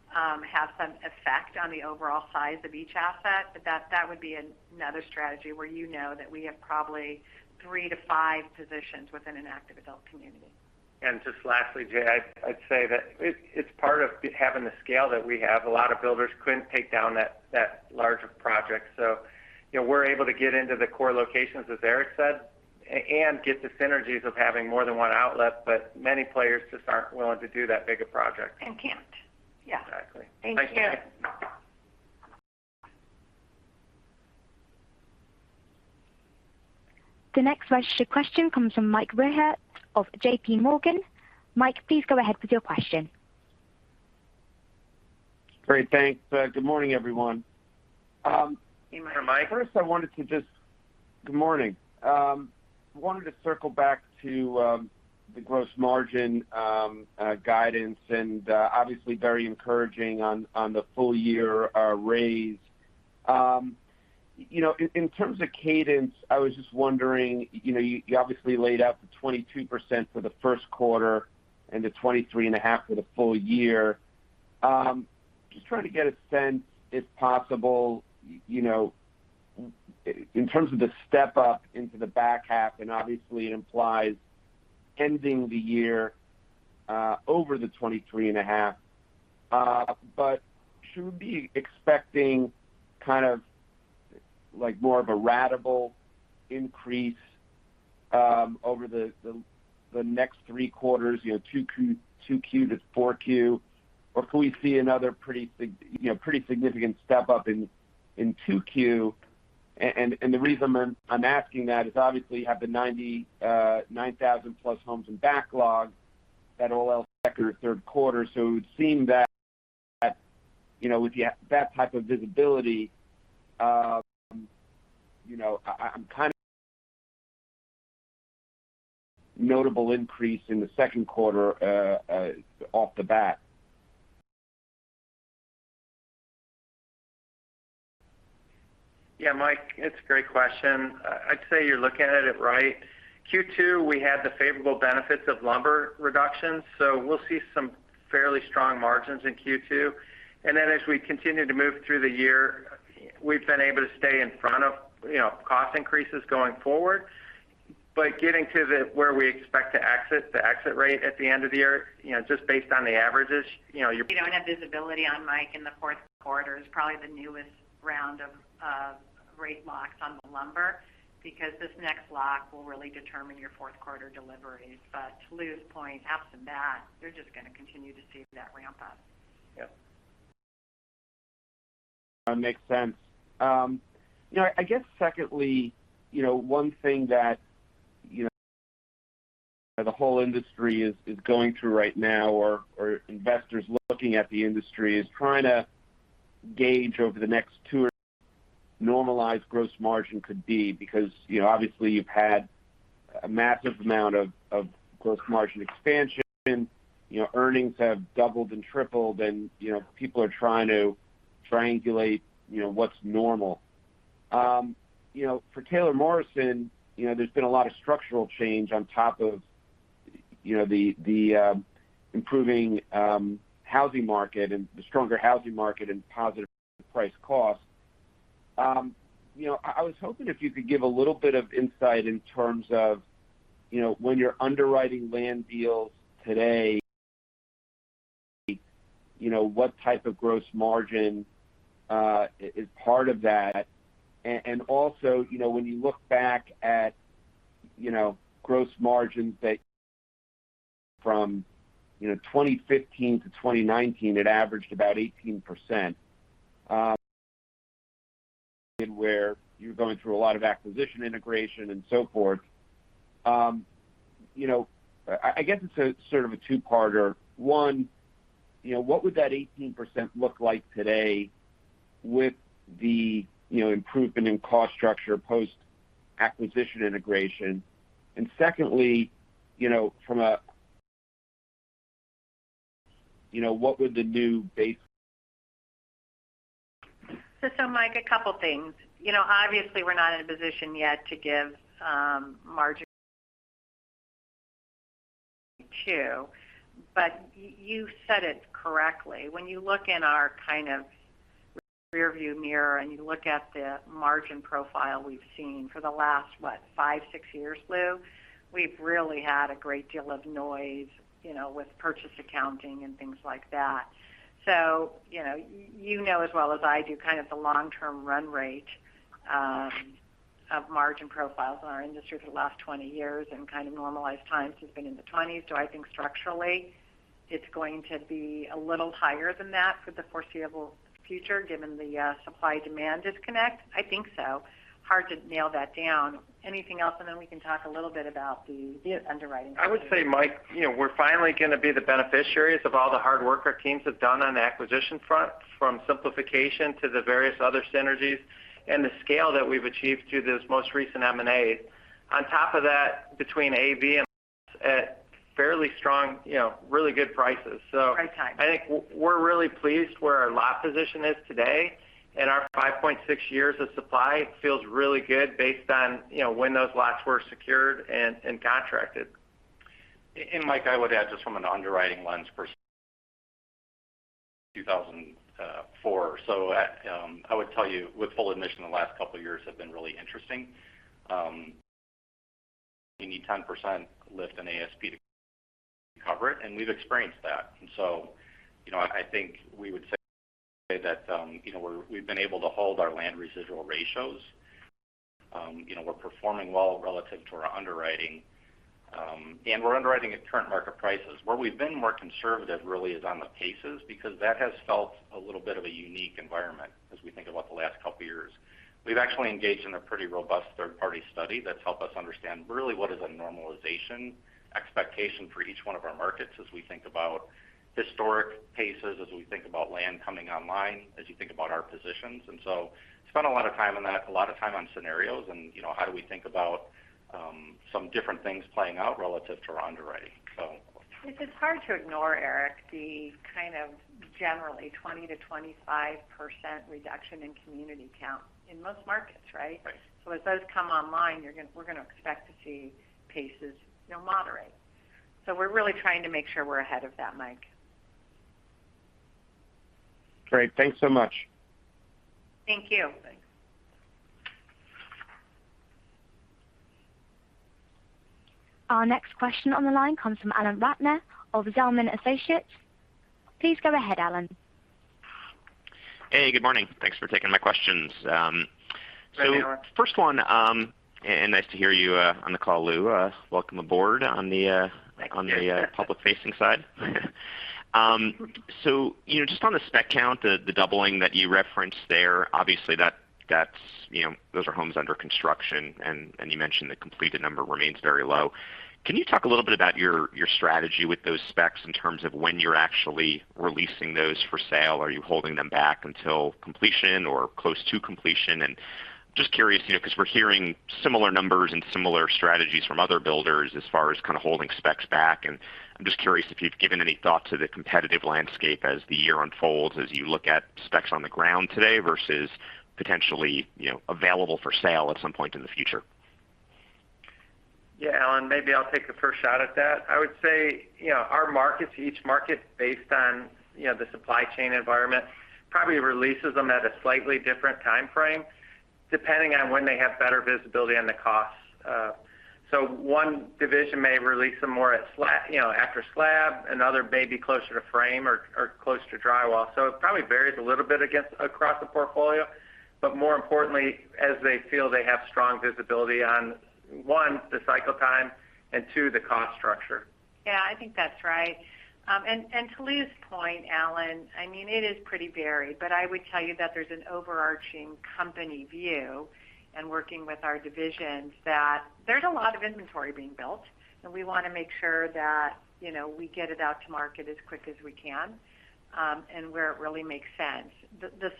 have some effect on the overall size of each asset. That would be another strategy where you know that we have probably 3-5 positions within an active adult community. Just lastly, Jay, I'd say that it's part of having the scale that we have. A lot of builders couldn't take down that large of project. You know, we're able to get into the core locations, as Eric said, and get the synergies of having more than one outlet. Many players just aren't willing to do that big a project. Can't. Yeah. Exactly. Thank you. The next question comes from Mike Rehaut of J.P. Morgan. Mike, please go ahead with your question. Great. Thanks. Good morning, everyone. Hey, Mike. Good morning. I wanted to circle back to the gross margin guidance and obviously very encouraging on the full year raise. You know, in terms of cadence, I was just wondering, you know, you obviously laid out the 22% for the first quarter and the 23.5% for the full year. Just trying to get a sense, if possible, you know, in terms of the step up into the back half, and obviously it implies ending the year over the 23.5%. But should we be expecting kind of like more of a ratable increase over the next three quarters, you know, 2Q-4Q? Could we see another pretty significant step up in 2Q? The reason I'm asking that is obviously you have the 9,000+ homes in backlog at end of Q3. It would seem that, you know, with that type of visibility, you know, I kind of expect a notable increase in the second quarter off the bat. Yeah, Mike, it's a great question. I'd say you're looking at it right. Q2, we had the favorable benefits of lumber reductions, so we'll see some fairly strong margins in Q2. As we continue to move through the year, we've been able to stay in front of, you know, cost increases going forward. Getting to where we expect to exit, the exit rate at the end of the year, you know, just based on the averages, you know, you're We don't have visibility on Mike in the fourth quarter. It's probably the newest round of rate locks on the lumber because this next lock will really determine your fourth quarter deliveries. To Lou's point, absent that, they're just going to continue to see that ramp up. Yep. Makes sense. You know, I guess secondly, you know, one thing that, you know, the whole industry is going through right now or investors looking at the industry is trying to gauge over the next two or normalized gross margin could be because, you know, obviously you've had a massive amount of gross margin expansion. You know, earnings have doubled and tripled, and, you know, people are trying to triangulate, you know, what's normal. You know, for Taylor Morrison, you know, there's been a lot of structural change on top of, you know, the improving housing market and the stronger housing market and positive price cost. I was hoping if you could give a little bit of insight in terms of when you're underwriting land deals today, what type of gross margin is part of that. And also, when you look back at gross margins that from 2015-2019, it averaged about 18%, where you're going through a lot of acquisition integration and so forth. I guess it's a sort of a two-parter. One, what would that 18% look like today with the improvement in cost structure post-acquisition integration? And secondly, from a what would the new base- Mike, a couple of things. You know, obviously, we're not in a position yet to give margin, too. But you said it correctly. When you look in our kind of rearview mirror and you look at the margin profile we've seen for the last five, six years, Lou, we've really had a great deal of noise, you know, with purchase accounting and things like that. You know as well as I do kind of the long-term run rate of margin profiles in our industry for the last 20 years and kind of normalized times has been in the 20s. Do I think structurally it's going to be a little higher than that for the foreseeable future, given the supply-demand disconnect? I think so. Hard to nail that down. Anything else, and then we can talk a little bit about the underwriting. I would say, Mike, you know, we're finally going to be the beneficiaries of all the hard work our teams have done on the acquisition front, from simplification to the various other synergies and the scale that we've achieved through this most recent M&A. On top of that, between AV and at fairly strong, you know, really good prices, so. Great time. I think we're really pleased where our lot position is today, and our 5.6 years of supply feels really good based on, you know, when those lots were secured and contracted. Mike, I would add just from an underwriting lens 2004. I would tell you with full admission, the last couple of years have been really interesting. You need 10% lift in ASP to cover it, and we've experienced that. You know, I think we would say that, you know, we've been able to hold our land residual ratios. You know, we're performing well relative to our underwriting, and we're underwriting at current market prices. Where we've been more conservative really is on the paces because that has felt a little bit of a unique environment as we think about the last couple of years. We've actually engaged in a pretty robust third-party study that's helped us understand really what is a normalization expectation for each one of our markets as we think about historic paces, as we think about land coming online, as you think about our positions. Spent a lot of time on that, a lot of time on scenarios and, you know, how do we think about some different things playing out relative to our underwriting, so. It's hard to ignore, Erik, the kind of generally 20%-25% reduction in community count in most markets, right? Right. As those come online, we're gonna expect to see paces, you know, moderate. We're really trying to make sure we're ahead of that, Mike. Great. Thanks so much. Thank you. Thanks. Our next question on the line comes from Alan Ratner of Zelman & Associates. Please go ahead, Alan. Hey, good morning. Thanks for taking my questions. Thank you, Alan. First one, and nice to hear you on the call, Lou. Welcome aboard on the public-facing side. You know, just on the spec count, the doubling that you referenced there, obviously that's, you know, those are homes under construction and you mentioned the completed number remains very low. Can you talk a little bit about your strategy with those specs in terms of when you're actually releasing those for sale? Are you holding them back until completion or close to completion? Just curious, you know, because we're hearing similar numbers and similar strategies from other builders as far as kind of holding specs back. I'm just curious if you've given any thought to the competitive landscape as the year unfolds, as you look at specs on the ground today versus potentially, you know, available for sale at some point in the future. Yeah, Alan, maybe I'll take the first shot at that. I would say, you know, our markets, each market based on, you know, the supply chain environment, probably releases them at a slightly different time frame depending on when they have better visibility on the costs. So one division may release them more at, you know, after slab, another may be closer to frame or close to drywall. So it probably varies a little bit across the portfolio. But more importantly, as they feel they have strong visibility on, one, the cycle time and two, the cost structure. Yeah, I think that's right. To Lou's point, Alan, I mean, it is pretty varied, but I would tell you that there's an overarching company view and working with our divisions that there's a lot of inventory being built, and we want to make sure that, you know, we get it out to market as quick as we can, and where it really makes sense. The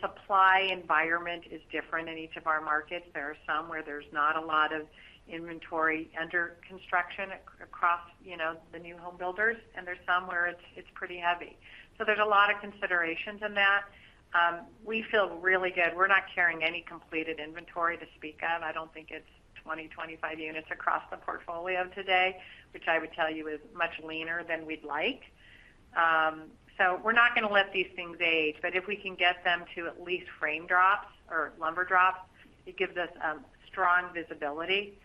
supply environment is different in each of our markets. There are some where there's not a lot of inventory under construction across, you know, the new home builders, and there's some where it's pretty heavy. There's a lot of considerations in that. We feel really good. We're not carrying any completed inventory to speak of. I don't think it's 20-25 units across the portfolio today, which I would tell you is much leaner than we'd like. We're not going to let these things age, but if we can get them to at least frame drops or lumber drops, it gives us strong visibility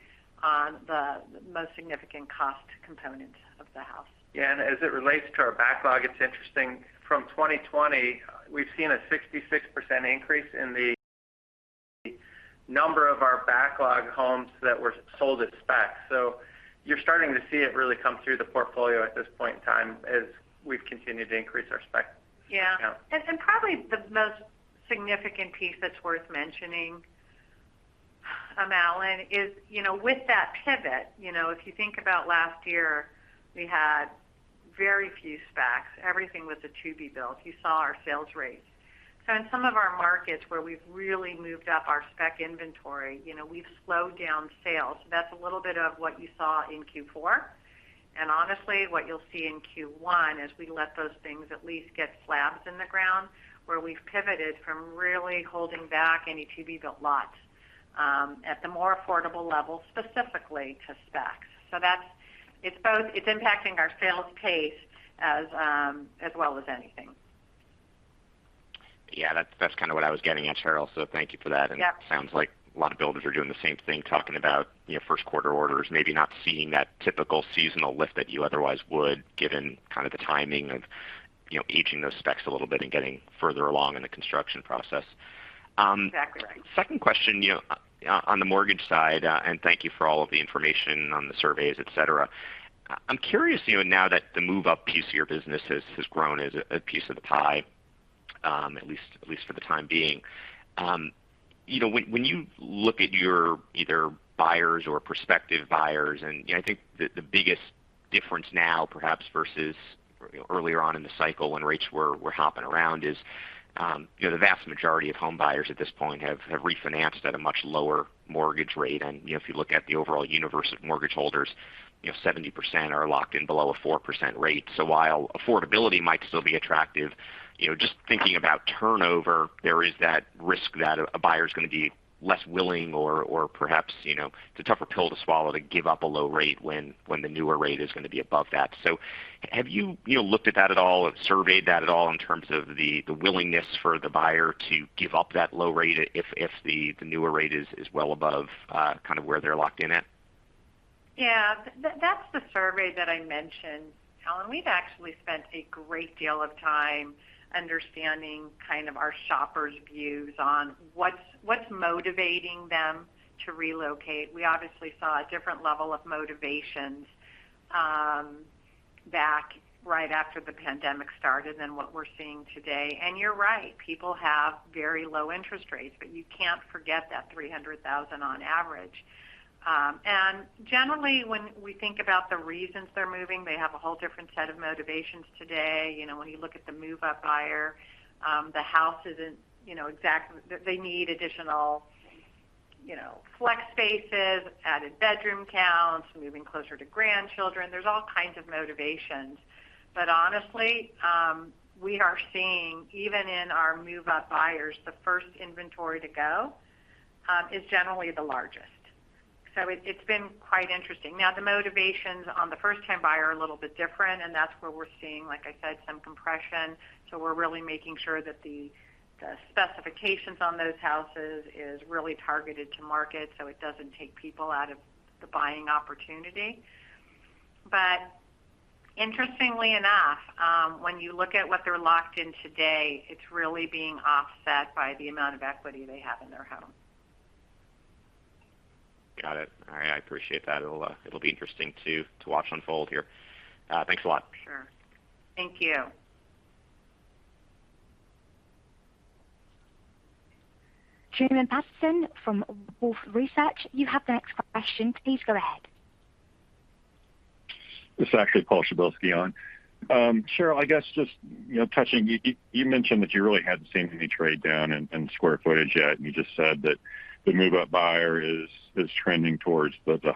on the most significant cost component of the house. Yeah. As it relates to our backlog, it's interesting. From 2020, we've seen a 66% increase in the number of our backlog homes that were sold at spec. You're starting to see it really come through the portfolio at this point in time as we've continued to increase our spec. Yeah. Yeah. Probably the most significant piece that's worth mentioning, Alan, is you know with that pivot you know if you think about last year we had very few specs. Everything was a to-be-built. You saw our sales rates. In some of our markets where we've really moved up our spec inventory you know we've slowed down sales. That's a little bit of what you saw in Q4. Honestly what you'll see in Q1 is we let those things at least get slabs in the ground where we've pivoted from really holding back any to-be-built lots at the more affordable level specifically to specs. That's it. It's both. It's impacting our sales pace as well as anything. Yeah, that's kind of what I was getting at, Sheryl, so thank you for that. Yep. It sounds like a lot of builders are doing the same thing, talking about, you know, first quarter orders, maybe not seeing that typical seasonal lift that you otherwise would, given kind of the timing of, you know, aging those specs a little bit and getting further along in the construction process. Exactly. Second question, you, on the mortgage side, and thank you for all of the information on the surveys, et cetera. I'm curious, you know, now that the move-up piece of your business has grown as a piece of the pie, at least for the time being. You know, when you look at your either buyers or prospective buyers, and, you know, I think the biggest difference now perhaps versus earlier on in the cycle when rates were hopping around is, you know, the vast majority of home buyers at this point have refinanced at a much lower mortgage rate. You know, if you look at the overall universe of mortgage holders, you know, 70% are locked in below a 4% rate. While affordability might still be attractive, you know, just thinking about turnover, there is that risk that a buyer is going to be less willing or perhaps, you know, it's a tougher pill to swallow to give up a low rate when the newer rate is going to be above that. Have you know, looked at that at all or surveyed that at all in terms of the willingness for the buyer to give up that low rate if the newer rate is well above kind of where they're locked in at? Yeah. That's the survey that I mentioned, Alan. We've actually spent a great deal of time understanding kind of our shoppers' views on what's motivating them to relocate. We obviously saw a different level of motivations back right after the pandemic started than what we're seeing today. You're right, people have very low interest rates, but you can't forget that $300,000 on average. Generally, when we think about the reasons they're moving, they have a whole different set of motivations today. You know, when you look at the move-up buyer, they need additional you know flex spaces, added bedroom counts, moving closer to grandchildren. There's all kinds of motivations. Honestly, we are seeing even in our move-up buyers, the first inventory to go is generally the largest. It's been quite interesting. Now, the motivations on the first-time buyer are a little bit different, and that's where we're seeing, like I said, some compression. We're really making sure that the specifications on those houses is really targeted to market, so it doesn't take people out of the buying opportunity. Interestingly enough, when you look at what they're locked in today, it's really being offset by the amount of equity they have in their home. Got it. All right. I appreciate that. It'll be interesting to watch unfold here. Thanks a lot. Sure. Thank you. Truman Patterson from Wolfe Research. You have the next question. Please go ahead. This is actually Paul Przybylski on. Cheryl, I guess just, you know, touching, you mentioned that you really hadn't seen any trade-down in square footage yet, and you just said that the move-up buyer is trending towards the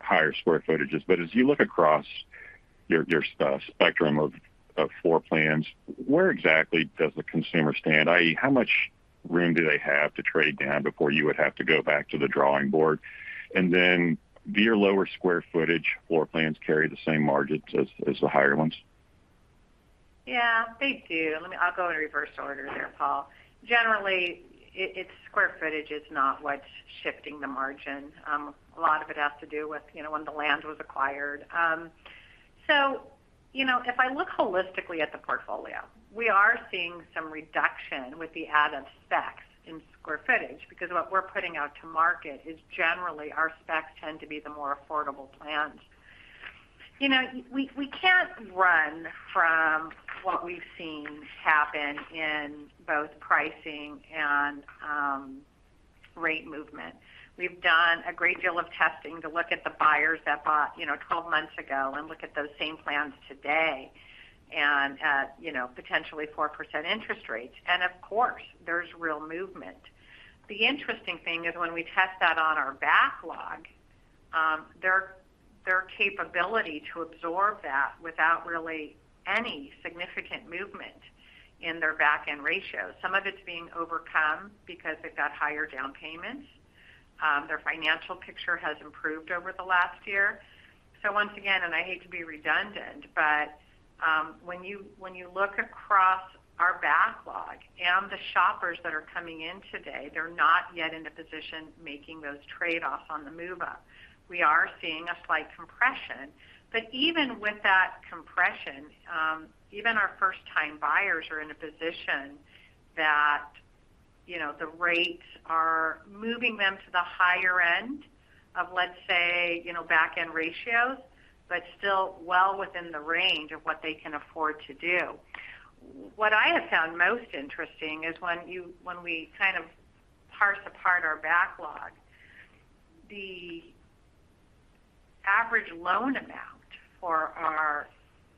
higher square footages. As you look across your spectrum of floor plans, where exactly does the consumer stand? i.e., how much room do they have to trade down before you would have to go back to the drawing board? And then do your lower square footage floor plans carry the same margins as the higher ones? Yeah, they do. Let me. I'll go in reverse order there, Paul. Generally, it's square footage is not what's shifting the margin. A lot of it has to do with, you know, when the land was acquired. So, you know, if I look holistically at the portfolio, we are seeing some reduction with the added specs in square footage because what we're putting out to market is generally our specs tend to be the more affordable plans. You know, we can't run from what we've seen happen in both pricing and rate movement. We've done a great deal of testing to look at the buyers that bought, you know, 12 months ago and look at those same plans today and at, you know, potentially 4% interest rates. Of course, there's real movement. The interesting thing is when we test that on our backlog, their capability to absorb that without really any significant movement in their back-end ratio. Some of it's being overcome because they've got higher down payments. Their financial picture has improved over the last year. Once again, and I hate to be redundant, but, when you look across our backlog and the shoppers that are coming in today, they're not yet in a position making those trade-offs on the move-up. We are seeing a slight compression. Even with that compression, even our first-time buyers are in a position that, you know, the rates are moving them to the higher end of, let's say, you know, back-end ratios, but still well within the range of what they can afford to do. What I have found most interesting is when we kind of parse apart our backlog, the average loan amount for our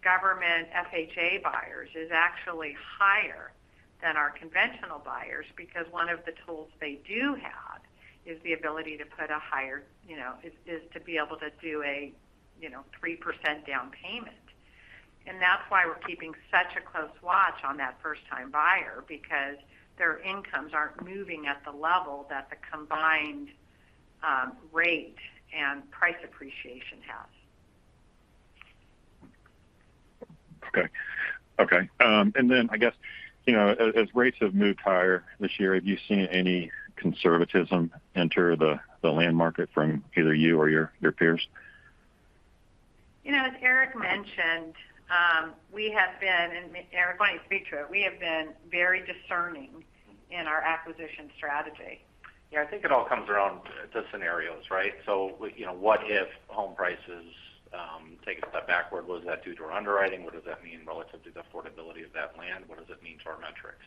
government FHA buyers is actually higher than our conventional buyers because one of the tools they do have is the ability to put a higher, you know, is to be able to do a, you know, 3% down payment. That's why we're keeping such a close watch on that first-time buyer because their incomes aren't moving at the level that the combined rate and price appreciation has. Okay. I guess, you know, as rates have moved higher this year, have you seen any conservatism enter the land market from either you or your peers? You know, as Erik mentioned, and Erik, why don't you speak to it? We have been very discerning in our acquisition strategy. Yeah. I think it all comes around to scenarios, right? You know, what if home prices take a step backward? Was that due to our underwriting? What does that mean relative to the affordability of that land? What does it mean to our metrics?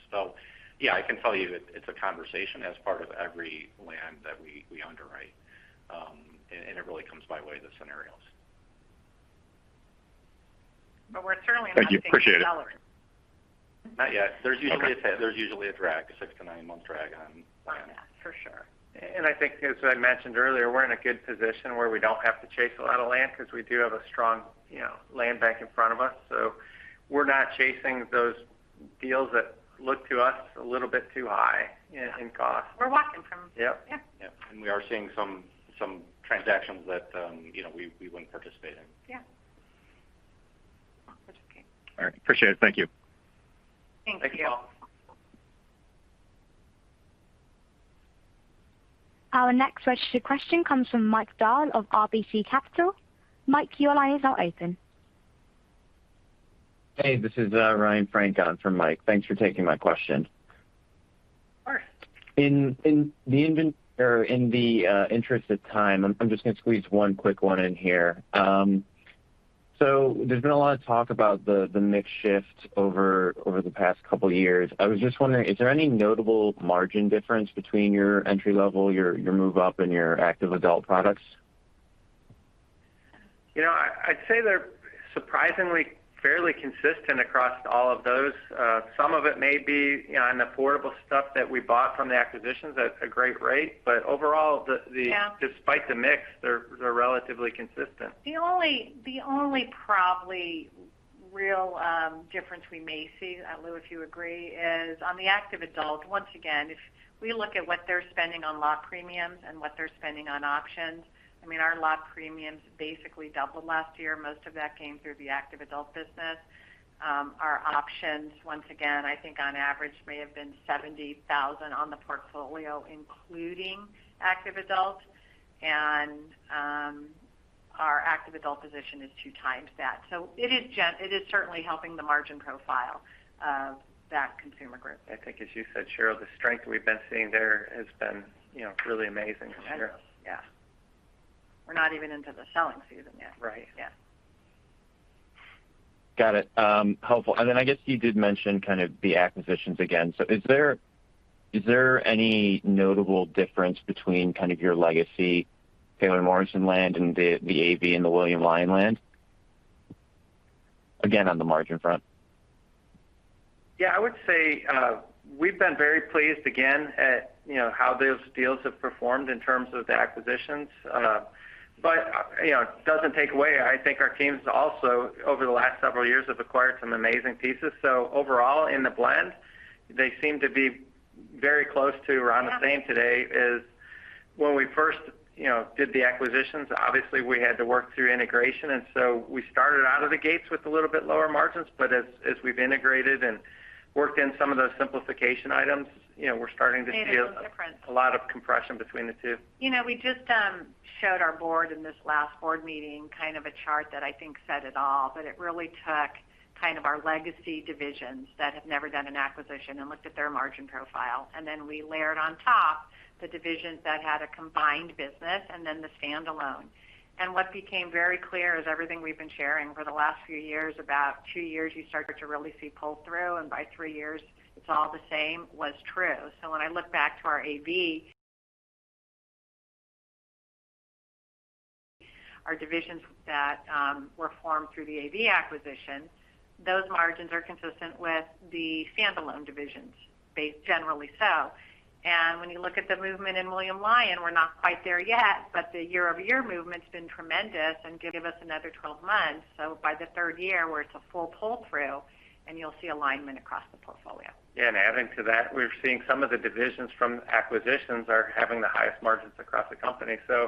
Yeah, I can tell you it's a conversation as part of every land that we underwrite. It really comes by way of the scenarios. We're certainly not seeing sellers. Thank you. Appreciate it. Not yet. Okay. There's usually a 6-9 month drag on land. For sure. I think, as I mentioned earlier, we're in a good position where we don't have to chase a lot of land because we do have a strong, you know, land bank in front of us. We're not chasing those deals that look to us a little bit too high in cost. We're walking from them. Yep. Yeah. Yeah. We are seeing some transactions that, you know, we wouldn't participate in. Yeah. That's okay. All right. Appreciate it. Thank you. Thank you. Thank you, Paul. Our next registered question comes from Mike Dahl of RBC Capital. Mike, your line is now open. Hey, this is Ryan Frank on for Mike. Thanks for taking my question. Of course. In the interest of time, I'm just gonna squeeze one quick one in here. There's been a lot of talk about the mix shift over the past couple of years. I was just wondering, is there any notable margin difference between your entry level, your move-up, and your active adult products? You know, I'd say they're surprisingly fairly consistent across all of those. Some of it may be, you know, on affordable stuff that we bought from the acquisitions at a great rate. Overall, the Yeah Despite the mix, they're relatively consistent. The only probably real difference we may see, Lou, if you agree, is on the active adult. Once again, if we look at what they're spending on lot premiums and what they're spending on options, I mean, our lot premiums basically doubled last year. Most of that came through the active adult business. Our options, once again, I think on average may have been $70,000 on the portfolio, including active adult. The adult position is two times that. It is certainly helping the margin profile of that consumer group. I think as you said, Sheryl, the strength we've been seeing there has been, you know, really amazing this year. Yeah. We're not even into the selling season yet. Right. Yeah. Got it. Helpful. I guess you did mention kind of the acquisitions again. Is there any notable difference between kind of your legacy Taylor Morrison land and the AV and the William Lyon land? Again, on the margin front. Yeah, I would say we've been very pleased again at, you know, how those deals have performed in terms of the acquisitions. You know, it doesn't take away. I think our teams also over the last several years have acquired some amazing pieces. Overall in the blend, they seem to be very close to or on the same today as when we first, you know, did the acquisitions. Obviously, we had to work through integration, and so we started out of the gates with a little bit lower margins. As we've integrated and worked in some of those simplification items, you know, we're starting to see- Made a difference. A lot of compression between the two. You know, we just showed our board in this last board meeting kind of a chart that I think said it all, but it really took kind of our legacy divisions that have never done an acquisition and looked at their margin profile. Then we layered on top the divisions that had a combined business and then the standalone. What became very clear is everything we've been sharing for the last few years, about two years you started to really see pull-through, and by three years, it's all the same, was true. When I look back to our AV, our divisions that were formed through the AV acquisition, those margins are consistent with the standalone divisions. They generally sell. When you look at the movement in William Lyon Homes, we're not quite there yet, but the year-over-year movement's been tremendous and give us another 12 months. By the third year, where it's a full pull-through, and you'll see alignment across the portfolio. Yeah. Adding to that, we're seeing some of the divisions from acquisitions are having the highest margins across the company. Yeah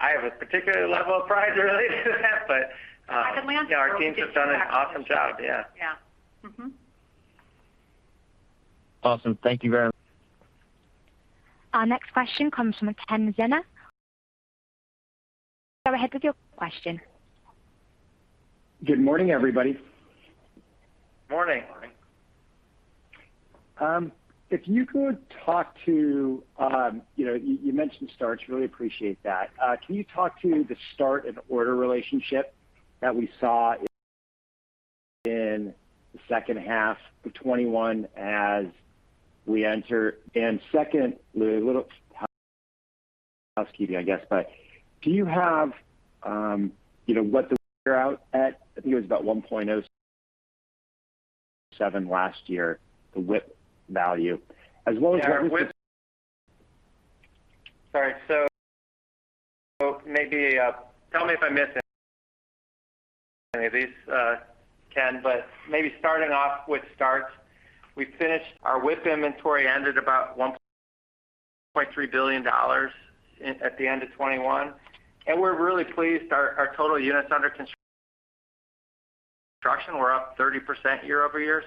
I have a particular level of pride related to that. I can land. Our teams have done an awesome job. Yeah. Yeah. Mm-hmm. Awesome. Thank you very much. Our next question comes from Kenneth Zener. Go ahead with your question. Good morning, everybody. Morning. Morning. You mentioned starts. Really appreciate that. Can you talk to the starts and orders relationship that we saw in the second half of 2021 as we enter? Second, Lou, a little housekeeping, I guess, but do you have, you know, what it's figured at? I think it was about 1.07 last year, the WIP value, as well as what- Sorry. Maybe tell me if I'm missing any of these, Ken, but maybe starting off with starts. We finished our WIP inventory ended about $1.3 billion at the end of 2021, and we're really pleased. Our total units under construction were up 30% year-over-year.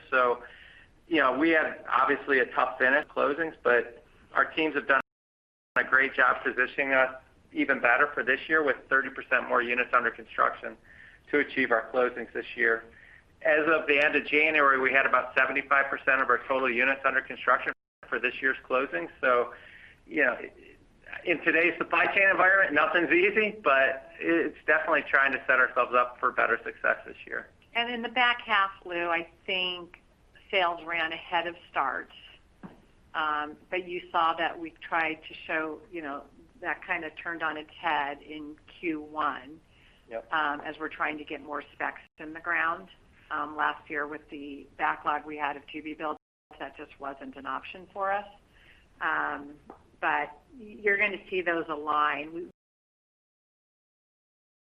You know, we had obviously a tough finish closings, but our teams have done a great job positioning us even better for this year with 30% more units under construction to achieve our closings this year. As of the end of January, we had about 75% of our total units under construction for this year's closing. You know, in today's supply chain environment, nothing's easy, but it's definitely trying to set ourselves up for better success this year. In the back half, Lou, I think sales ran ahead of starts. You saw that we tried to show, you know, that kind of turned on its head in Q1. Yep. As we're trying to get more specs in the ground. Last year with the backlog we had of to-be builds, that just wasn't an option for us. You're going to see those align.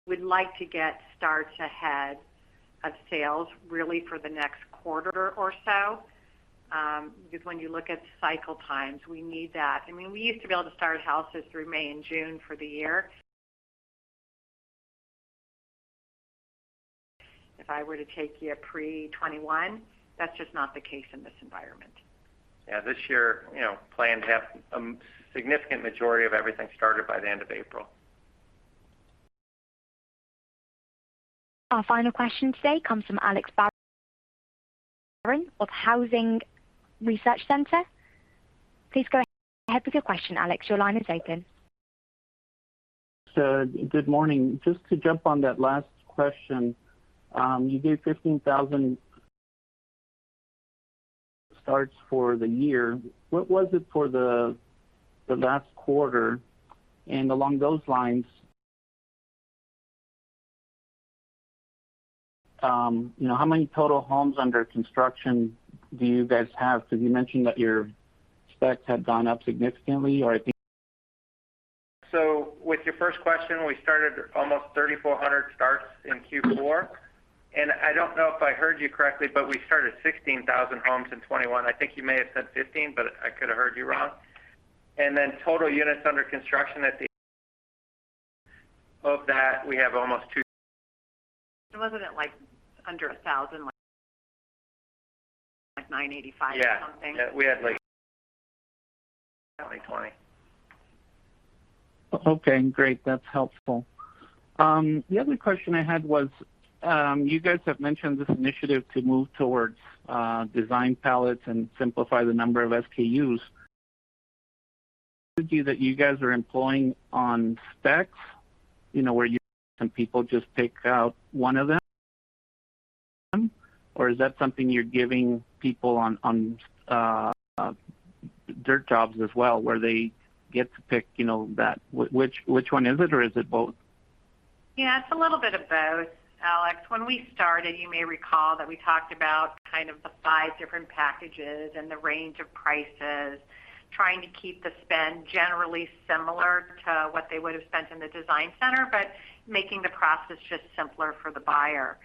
We'd like to get starts ahead of sales really for the next quarter or so. Because when you look at cycle times, we need that. I mean, we used to be able to start houses through May and June for the year. If I were to take you pre-2021, that's just not the case in this environment. Yeah. This year, you know, plan to have significant majority of everything started by the end of April. Our final question today comes from Alex Barron of Housing Research Center. Please go ahead with your question, Alex. Your line is open. Good morning. Just to jump on that last question, you gave 15,000 starts for the year. What was it for the last quarter? Along those lines, you know, how many total homes under construction do you guys have? Because you mentioned that your specs have gone up significantly or I think- With your first question, we started almost 3,400 starts in Q4. I don't know if I heard you correctly, but we started 16,000 homes in 2021. I think you may have said 15, but I could have heard you wrong. Total units under construction. Of that, we have almost two- Wasn't it, like, under 1,000 like 985 or something? Yeah, we had like 2020. Okay, great. That's helpful. The other question I had was, you guys have mentioned this initiative to move towards design palettes and simplify the number of SKUs that you guys are employing on specs, you know, where you and people just pick out one of them, or is that something you're giving people on their jobs as well, where they get to pick, you know, which one is it or is it both? Yeah, it's a little bit of both, Alex. When we started, you may recall that we talked about kind of the five different packages and the range of prices, trying to keep the spend generally similar to what they would have spent in the design center, but making the process just simpler for the buyer.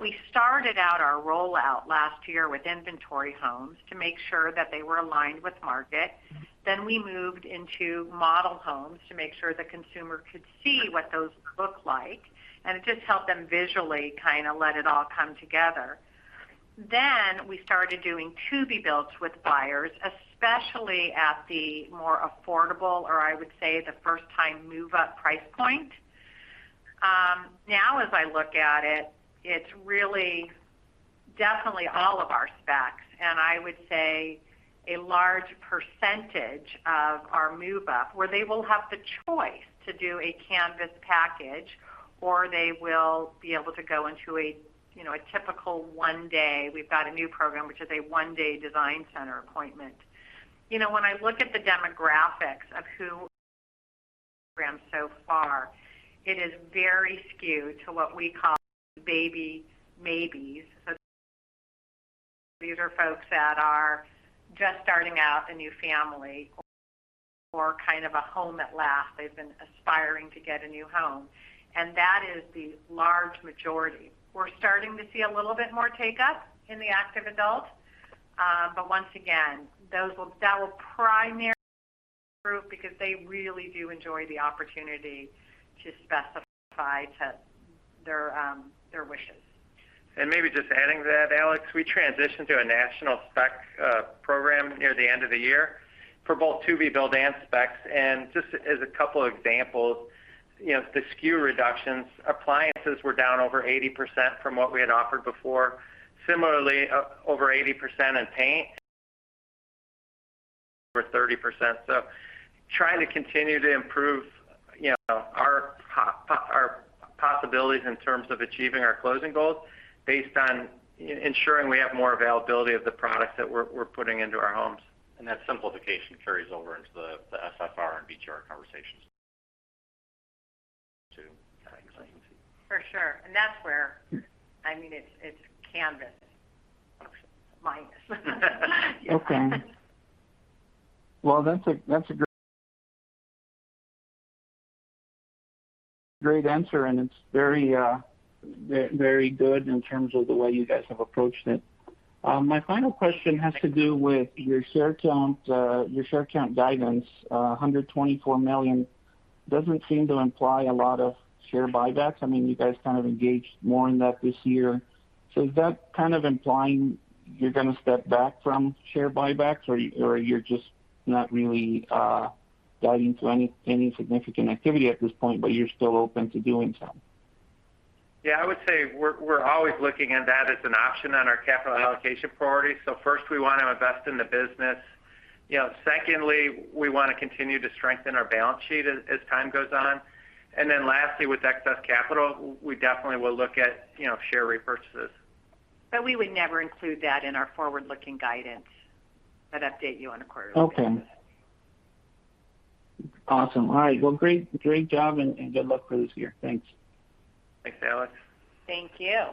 We started out our rollout last year with inventory homes to make sure that they were aligned with market. Then we moved into model homes to make sure the consumer could see what those look like, and it just helped them visually kinda let it all come together. Then we started doing to-be builds with buyers, especially at the more affordable or I would say the first-time move-up price point. Now as I look at it's really definitely all of our specs, and I would say a large percentage of our move-up, where they will have the choice to do a Canvas package, or they will be able to go into a, you know, a typical one day. We've got a new program, which is a one-day design center appointment. You know, when I look at the demographics of who so far, it is very skewed to what we call baby maybes. So these are folks that are just starting out a new family or kind of a home at last. They've been aspiring to get a new home, and that is the large majority. We're starting to see a little bit more take up in the active adult. Once again, that will primarily grow because they really do enjoy the opportunity to specify to their wishes. Maybe just adding to that, Alex, we transitioned to a national spec program near the end of the year for both to-be-built and specs. Just as a couple examples, you know, the SKU reductions, appliances were down over 80% from what we had offered before. Similarly, over 80% in paint. Over 30%. Trying to continue to improve, you know, our possibilities in terms of achieving our closing goals based on ensuring we have more availability of the products that we're putting into our homes. That simplification carries over into the SFR and BTR conversations too. For sure. That's where, I mean, it's Canvas minus. Okay. Well, that's a great answer, and it's very, very good in terms of the way you guys have approached it. My final question has to do with your share count guidance. 124 million doesn't seem to imply a lot of share buybacks. I mean, you guys kind of engaged more in that this year. Is that kind of implying you're going to step back from share buybacks or you're just not really dialed into any significant activity at this point, but you're still open to doing some? Yeah, I would say we're always looking at that as an option on our capital allocation priority. First, we want to invest in the business. You know, secondly, we want to continue to strengthen our balance sheet as time goes on. Lastly, with excess capital, we definitely will look at, you know, share repurchases. We would never include that in our forward-looking guidance. I'd update you on a quarterly basis. Okay. Awesome. All right. Well, great job and good luck for this year. Thanks. Thanks, Alex. Thank you.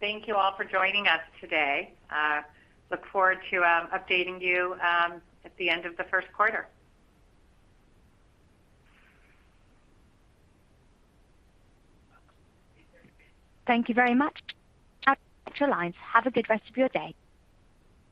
Thank you all for joining us today. Look forward to updating you at the end of the first quarter. Thank you very much. Your lines. Have a good rest of your day.